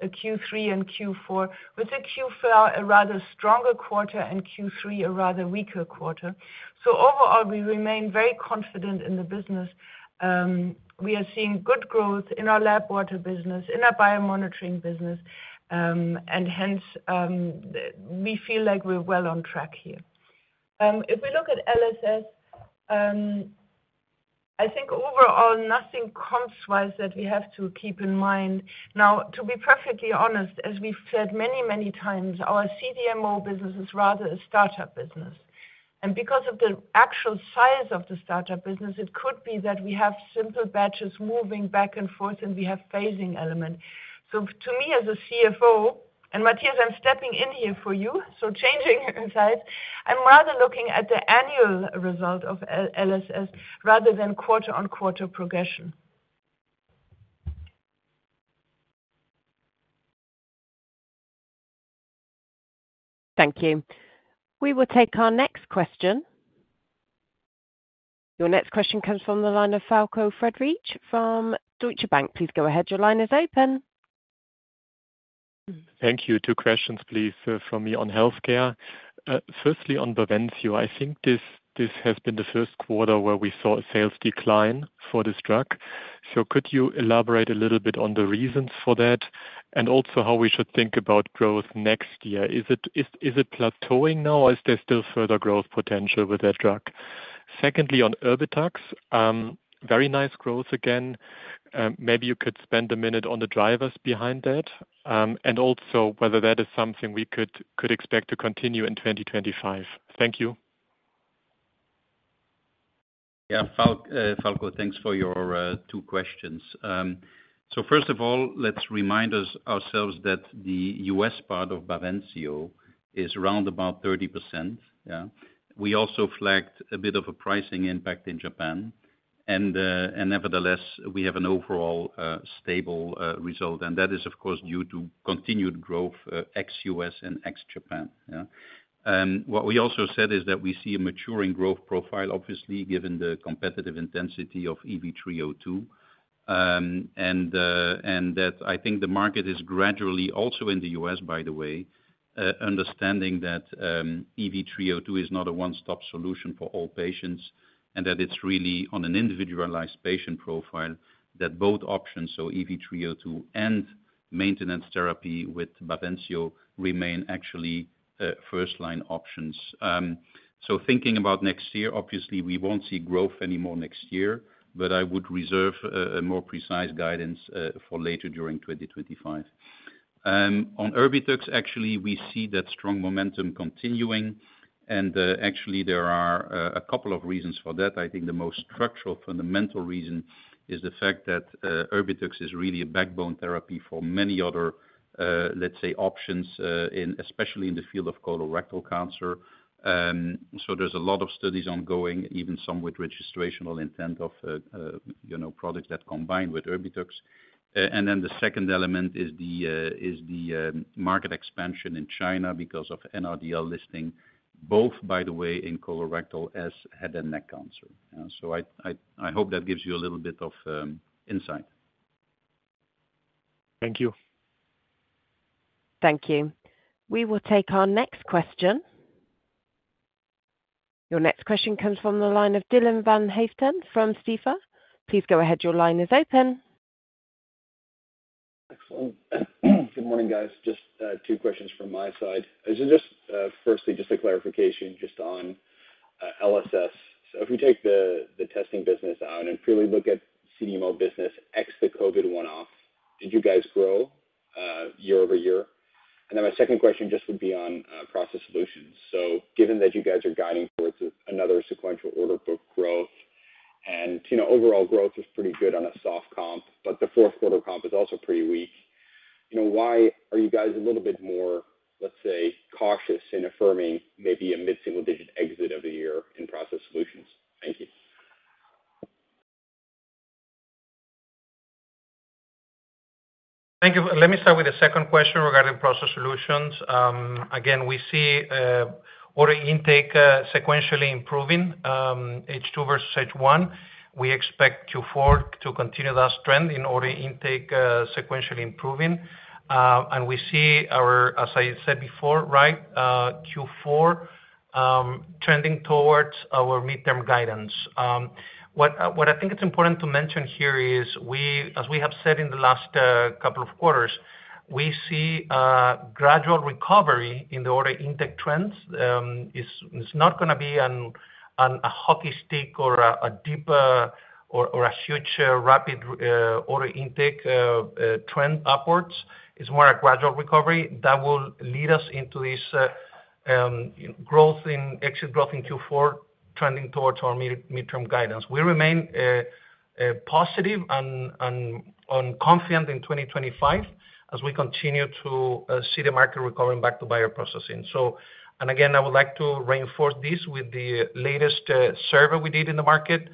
Q3 and Q4, with a Q4 a rather stronger quarter and Q3 a rather weaker quarter, so overall, we remain very confident in the business. We are seeing good growth in our lab water business, in our biomonitoring business, and hence, we feel like we're well on track here. If we look at LSS, I think overall, nothing comps-wise that we have to keep in mind. Now, to be perfectly honest, as we've said many, many times, our CDMO business is rather a startup business. And because of the actual size of the startup business, it could be that we have simple batches moving back and forth, and we have phasing elements. So to me, as a CFO, and Matthias, I'm stepping in here for you, so changing sides, I'm rather looking at the annual result of LSS rather than quarter-on-quarter progression. Thank you. We will take our next question. Your next question comes from the line of Falko Friedrichs from Deutsche Bank. Please go ahead. Your line is open. Thank you. Two questions, please, from me on healthcare. Firstly, on Bavencio, I think this has been the first quarter where we saw a sales decline for this drug. So could you elaborate a little bit on the reasons for that and also how we should think about growth next year? Is it plateauing now, or is there still further growth potential with that drug? Secondly, on Erbitux, very nice growth again. Maybe you could spend a minute on the drivers behind that and also whether that is something we could expect to continue in 2025. Thank you. Yeah. Falko, thanks for your two questions. So first of all, let's remind ourselves that the U.S. part of Bavencio is around about 30%. We also flagged a bit of a pricing impact in Japan, and nevertheless, we have an overall stable result. And that is, of course, due to continued growth ex-U.S. and ex-Japan. What we also said is that we see a maturing growth profile, obviously, given the competitive intensity of EV-302, and that I think the market is gradually, also in the U.S., by the way, understanding that EV-302 is not a one-stop solution for all patients and that it's really on an individualized patient profile that both options, so EV-302 and maintenance therapy with Bavencio, remain actually first-line options. So thinking about next year, obviously, we won't see growth anymore next year, but I would reserve a more precise guidance for later during 2025. On Erbitux, actually, we see that strong momentum continuing. And actually, there are a couple of reasons for that. I think the most structural fundamental reason is the fact that Erbitux is really a backbone therapy for many other, let's say, options, especially in the field of colorectal cancer. So there's a lot of studies ongoing, even some with registrational intent of products that combine with Erbitux. And then the second element is the market expansion in China because of NRDL listing, both, by the way, in colorectal and head and neck cancer. So I hope that gives you a little bit of insight. Thank you. Thank you. We will take our next question. Your next question comes from the line of Dylan van Haaften from Stifel. Please go ahead. Your line is open. Excellent. Good morning, guys. Just two questions from my side. Firstly, just a clarification just on LSS. So if we take the testing business out and purely look at CDMO business ex the COVID one-off, did you guys grow year-over-year? And then my second question just would be on Process Solutions. So given that you guys are guiding towards another sequential order book growth, and overall growth is pretty good on a soft comp, but the fourth-quarter comp is also pretty weak, why are you guys a little bit more, let's say, cautious in affirming maybe a mid-single-digit exit of a year in Process Solutions? Thank you. Thank you. Let me start with the second question regarding Process Solutions. Again, we see order intake sequentially improving, H2 versus H1. We expect Q4 to continue that trend in order intake sequentially improving. And we see our, as I said before, right, Q4 trending towards our midterm guidance. What I think it's important to mention here is, as we have said in the last couple of quarters, we see a gradual recovery in the order intake trends. It's not going to be a hockey stick or a deep or a huge rapid order intake trend upwards. It's more a gradual recovery that will lead us into this growth in exit growth in Q4 trending towards our midterm guidance. We remain positive and confident in 2025 as we continue to see the market recovering back to bioprocessing. And again, I would like to reinforce this with the latest survey we did in the market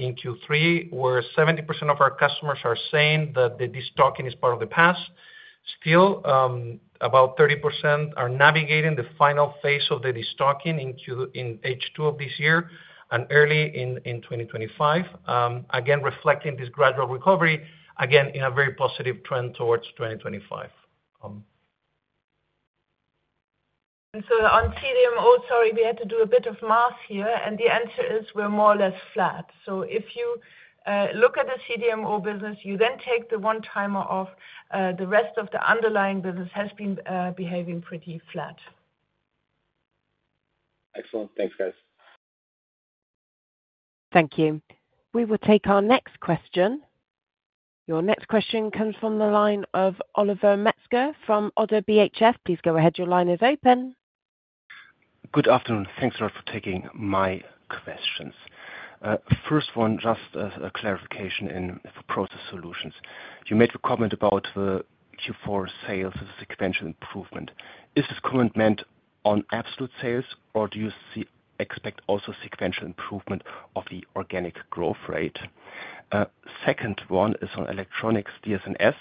in Q3, where 70% of our customers are saying that the destocking is part of the past. Still, about 30% are navigating the final phase of the destocking in H2 of this year and early in 2025, again, reflecting this gradual recovery, again, in a very positive trend towards 2025. And so, on CDMO, sorry, we had to do a bit of math here, and the answer is we're more or less flat. So if you look at the CDMO business, you then take the one-timer off, the rest of the underlying business has been behaving pretty flat. Excellent. Thanks, guys. Thank you. We will take our next question. Your next question comes from the line of Oliver Metzger from Oddo BHF. Please go ahead. Your line is open. Good afternoon. Thanks a lot for taking my questions. First one, just a clarification for Process Solutions. You made a comment about the Q4 sales as a sequential improvement. Is this comment meant on absolute sales, or do you expect also sequential improvement of the organic growth rate? Second one is on Electronics, DS&S.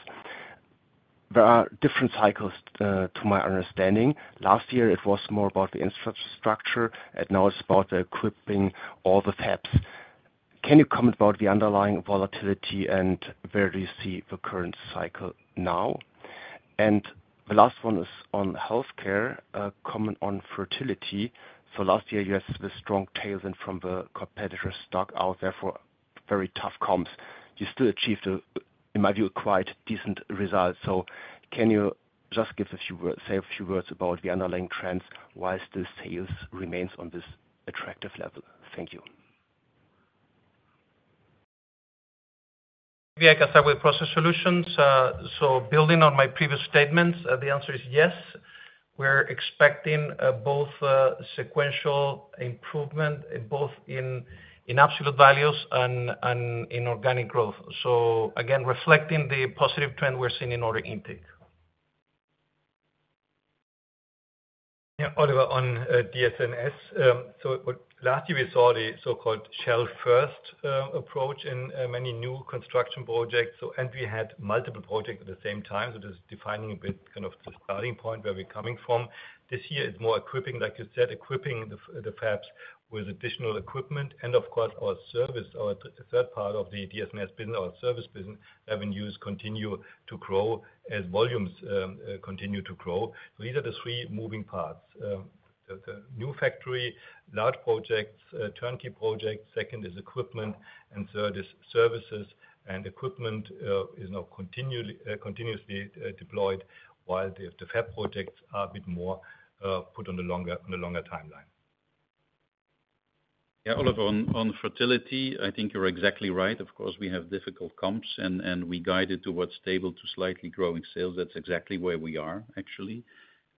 There are different cycles, to my understanding. Last year, it was more about the infrastructure, and now it's about equipping all the fabs. Can you comment about the underlying volatility and where do you see the current cycle now? And the last one is on Healthcare, comment on fertility. So last year, you had the strong tailwinds from the competitor stockout, therefore very tough comps. You still achieved, in my view, quite decent results. So can you just say a few words about the underlying trends? Why still sales remains on this attractive level? Thank you. Maybe I can start with Process Solutions. So building on my previous statements, the answer is yes. We're expecting both sequential improvement, both in absolute values and in organic growth. So again, reflecting the positive trend we're seeing in order intake. Oliver, on DS&S. So last year, we saw the so-called shell-first approach in many new construction projects, and we had multiple projects at the same time. So this is defining a bit kind of the starting point where we're coming from. This year is more equipping, like you said, equipping the fabs with additional equipment. And of course, our service, our third part of the DS&S business, our service business revenues continue to grow as volumes continue to grow. So these are the three moving parts: the new factory, large projects, turnkey projects, second is equipment, and third is services. Equipment is now continuously deployed while the fab projects are a bit more put on the longer timeline. Yeah. Oliver, on fertility, I think you're exactly right. Of course, we have difficult comps, and we guided towards stable to slightly growing sales. That's exactly where we are, actually.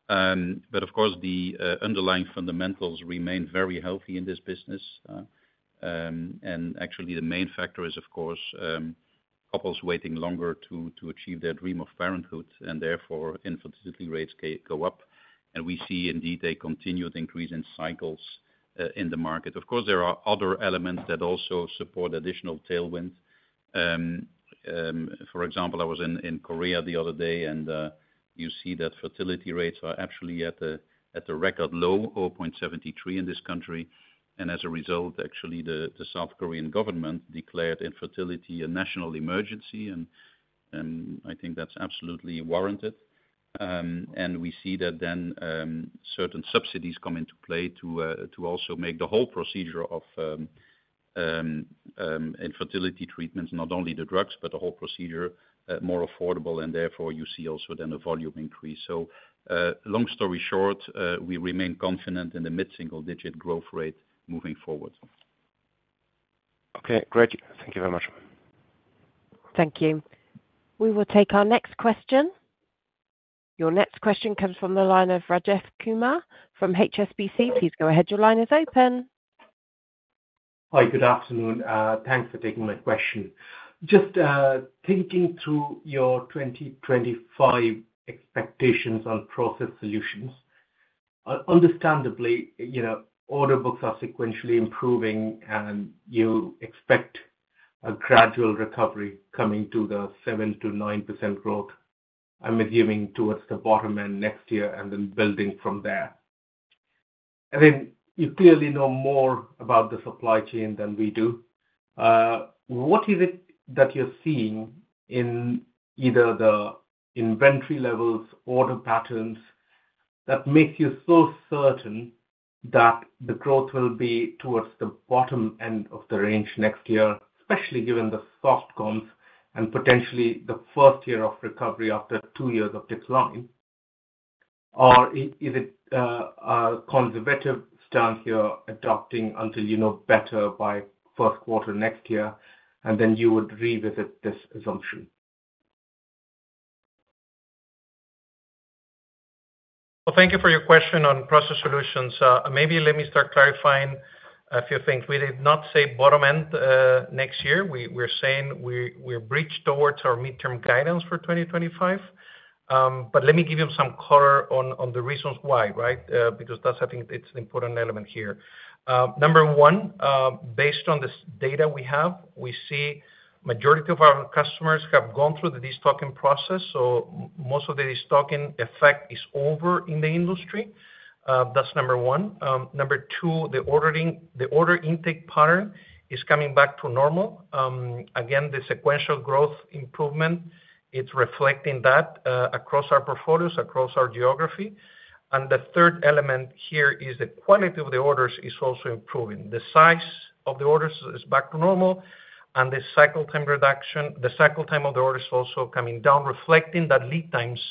But of course, the underlying fundamentals remain very healthy in this business. Actually, the main factor is, of course, couples waiting longer to achieve their dream of parenthood, and therefore, infertility rates go up. We see, indeed, a continued increase in cycles in the market. Of course, there are other elements that also support additional tailwind. For example, I was in Korea the other day, and you see that fertility rates are actually at a record low, 0.73 in this country. And as a result, actually, the South Korean government declared infertility a national emergency, and I think that's absolutely warranted. And we see that then certain subsidies come into play to also make the whole procedure of infertility treatments, not only the drugs, but the whole procedure more affordable. And therefore, you see also then a volume increase. So long story short, we remain confident in the mid-single-digit growth rate moving forward. Okay. Great. Thank you very much. Thank you. We will take our next question. Your next question comes from the line of Rajesh Kumar from HSBC. Please go ahead. Your line is open. Hi. Good afternoon. Thanks for taking my question. Just thinking through your 2025 expectations on Process Solutions, understandably, order books are sequentially improving, and you expect a gradual recovery coming to the 7%-9% growth, I'm assuming, towards the bottom end next year and then building from there. I mean, you clearly know more about the supply chain than we do. What is it that you're seeing in either the inventory levels, order patterns that makes you so certain that the growth will be towards the bottom end of the range next year, especially given the soft comps and potentially the first year of recovery after two years of decline? Or is it a conservative stance here, adopting until you know better by first quarter next year, and then you would revisit this assumption? Well, thank you for your question on Process Solutions. Maybe let me start clarifying a few things. We did not say bottom end next year. We're saying we're bridged towards our midterm guidance for 2025. But let me give you some color on the reasons why, right? Because that's, I think, it's an important element here. Number one, based on the data we have, we see the majority of our customers have gone through the destocking process. So most of the destocking effect is over in the industry. That's number one. Number two, the order intake pattern is coming back to normal. Again, the sequential growth improvement, it's reflecting that across our portfolios, across our geography. And the third element here is the quality of the orders is also improving. The size of the orders is back to normal, and the cycle time reduction, the cycle time of the orders is also coming down, reflecting that lead times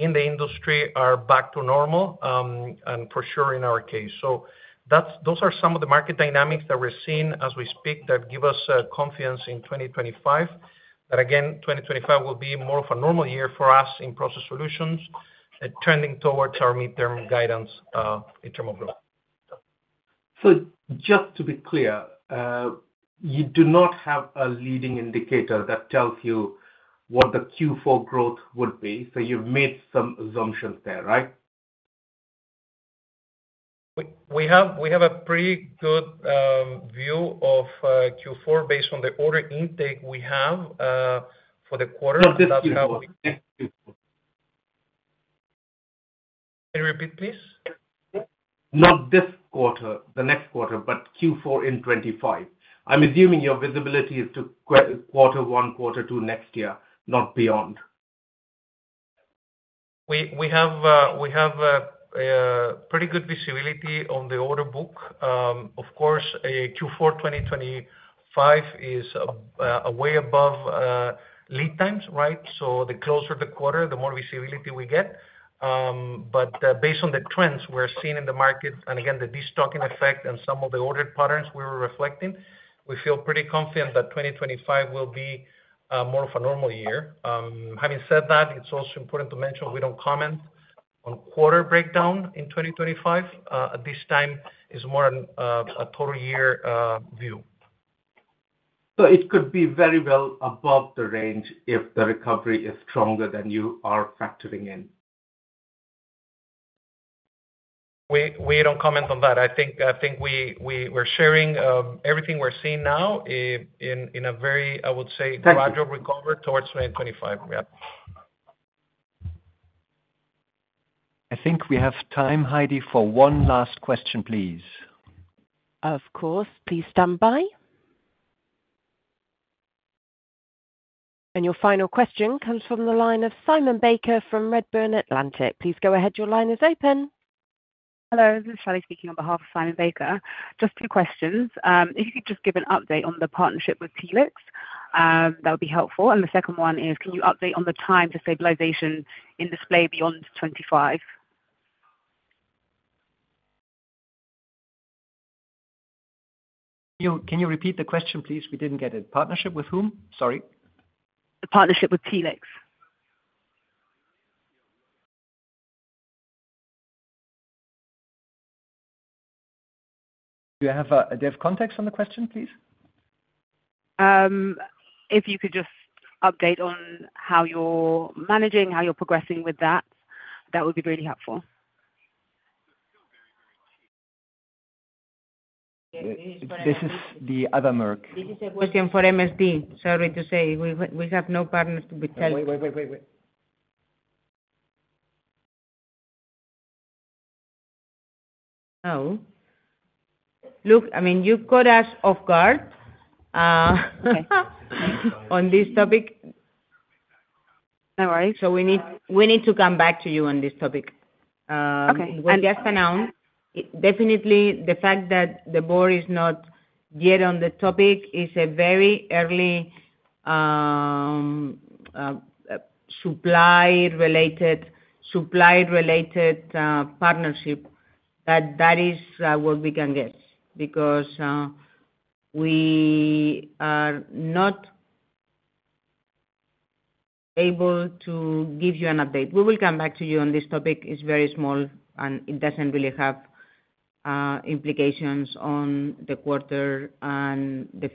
in the industry are back to normal, and for sure in our case. So those are some of the market dynamics that we're seeing as we speak that give us confidence in 2025, that again, 2025 will be more of a normal year for us in Process Solutions, trending towards our midterm guidance in terms of growth. So just to be clear, you do not have a leading indicator that tells you what the Q4 growth would be. So you've made some assumptions there, right? We have a pretty good view of Q4 based on the order intake we have for the quarter. Not this Q4. Can you repeat, please? Not this quarter, the next quarter, but Q4 in 2025. I'm assuming your visibility is to quarter one, quarter two next year, not beyond. We have pretty good visibility on the order book. Of course, Q4 2025 is way above lead times, right? So the closer the quarter, the more visibility we get. But based on the trends we're seeing in the market, and again, the destocking effect and some of the order patterns we were reflecting, we feel pretty confident that 2025 will be more of a normal year. Having said that, it's also important to mention we don't comment on quarter breakdown in 2025. At this time, it's more a total year view. So it could be very well above the range if the recovery is stronger than you are factoring in. We don't comment on that. I think we're sharing everything we're seeing now in a very, I would say, gradual recovery towards 2025. Yeah. I think we have time, Heidi, for one last question, please. Of course. Please stand by. Your final question comes from the line of Simon Baker from Redburn Atlantic. Please go ahead. Your line is open. Hello. This is Shelley speaking on behalf of Simon Baker. Just two questions. If you could just give an update on the partnership with Helix, that would be helpful. And the second one is, can you update on the time to stabilization in Display beyond 2025? Can you repeat the question, please? We didn't get it. Partnership with whom? Sorry. The partnership with Helix. Do you have any context on the question, please? If you could just update on how you're managing, how you're progressing with that, that would be really helpful. This is the other Merck. This is a question for MSD. Sorry to say. We have no partners to be telling. Oh. Look, I mean, you've got us off guard on this topic. No worries. So we need to come back to you on this topic. Okay. And just announce, definitely, the fact that the board is not yet on the topic is a very early supply-related partnership, but that is what we can get because we are not able to give you an update. We will come back to you on this topic. It's very small, and it doesn't really have implications on the quarter and the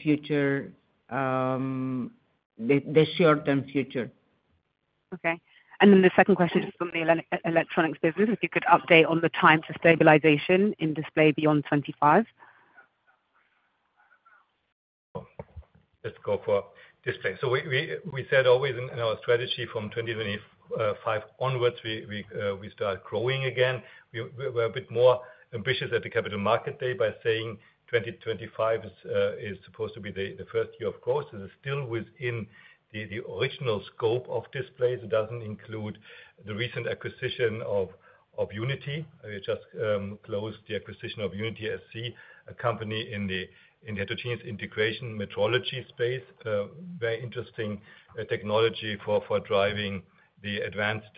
short-term future. Okay. And then the second question is from the Electronics business. If you could update on the time to stabilization in Display beyond 2025. Let's go for Display. So we said always in our strategy from 2025 onwards, we start growing again. We're a bit more ambitious at the Capital Market Day by saying 2025 is supposed to be the first year of growth. This is still within the original scope of Display. It doesn't include the recent acquisition of Unity. We just closed the acquisition of Unity-SC, a company in the heterogeneous integration metrology space. Very interesting technology for driving the advanced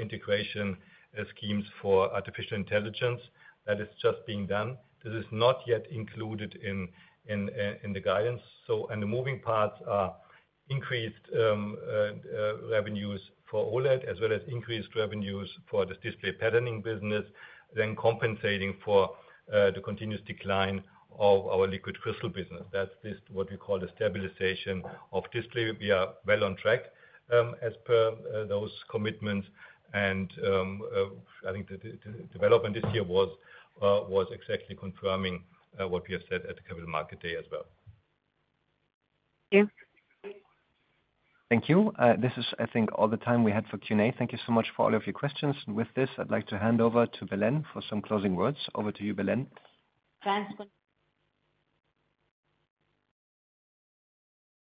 integration schemes for artificial intelligence that is just being done. This is not yet included in the guidance. And the moving parts are increased revenues for OLED as well as increased revenues for this Display patterning business, then compensating for the continuous decline of our liquid crystal business. That's what we call the stabilization of Display. We are well on track as per those commitments. And I think the development this year was exactly confirming what we have said at the Capital Market Day as well. Thank you. Thank you. This is, I think, all the time we had for Q&A. Thank you so much for all of your questions. With this, I'd like to hand over to Belén for some closing words. Over to you, Belén. Thanks.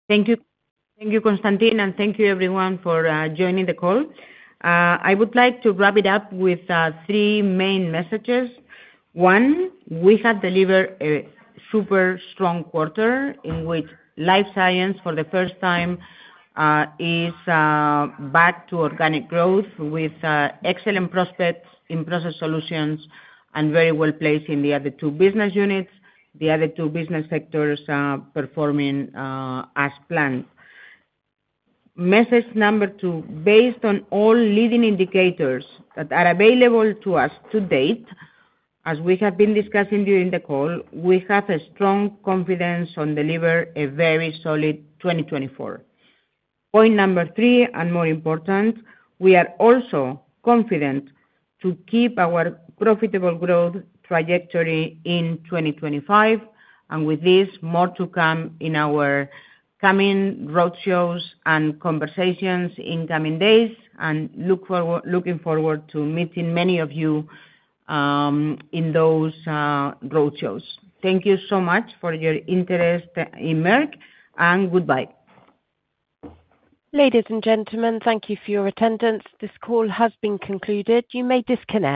Thank you. Thank you, Constantin, and thank you, everyone, for joining the call. I would like to wrap it up with three main messages. One, we have delivered a super strong quarter in Life Science, for the first time, is back to organic growth with excellent prospects in Process Solutions and very well placed in the other two business units, the other two business sectors performing as planned. Message number two, based on all leading indicators that are available to us to date, as we have been discussing during the call, we have a strong confidence on delivering a very solid 2024. Point number three, and more important, we are also confident to keep our profitable growth trajectory in 2025, and with this, more to come in our coming roadshows and conversations in coming days, and looking forward to meeting many of you in those roadshows. Thank you so much for your interest in Merck, and goodbye. Ladies and gentlemen, thank you for your attendance. This call has been concluded. You may disconnect.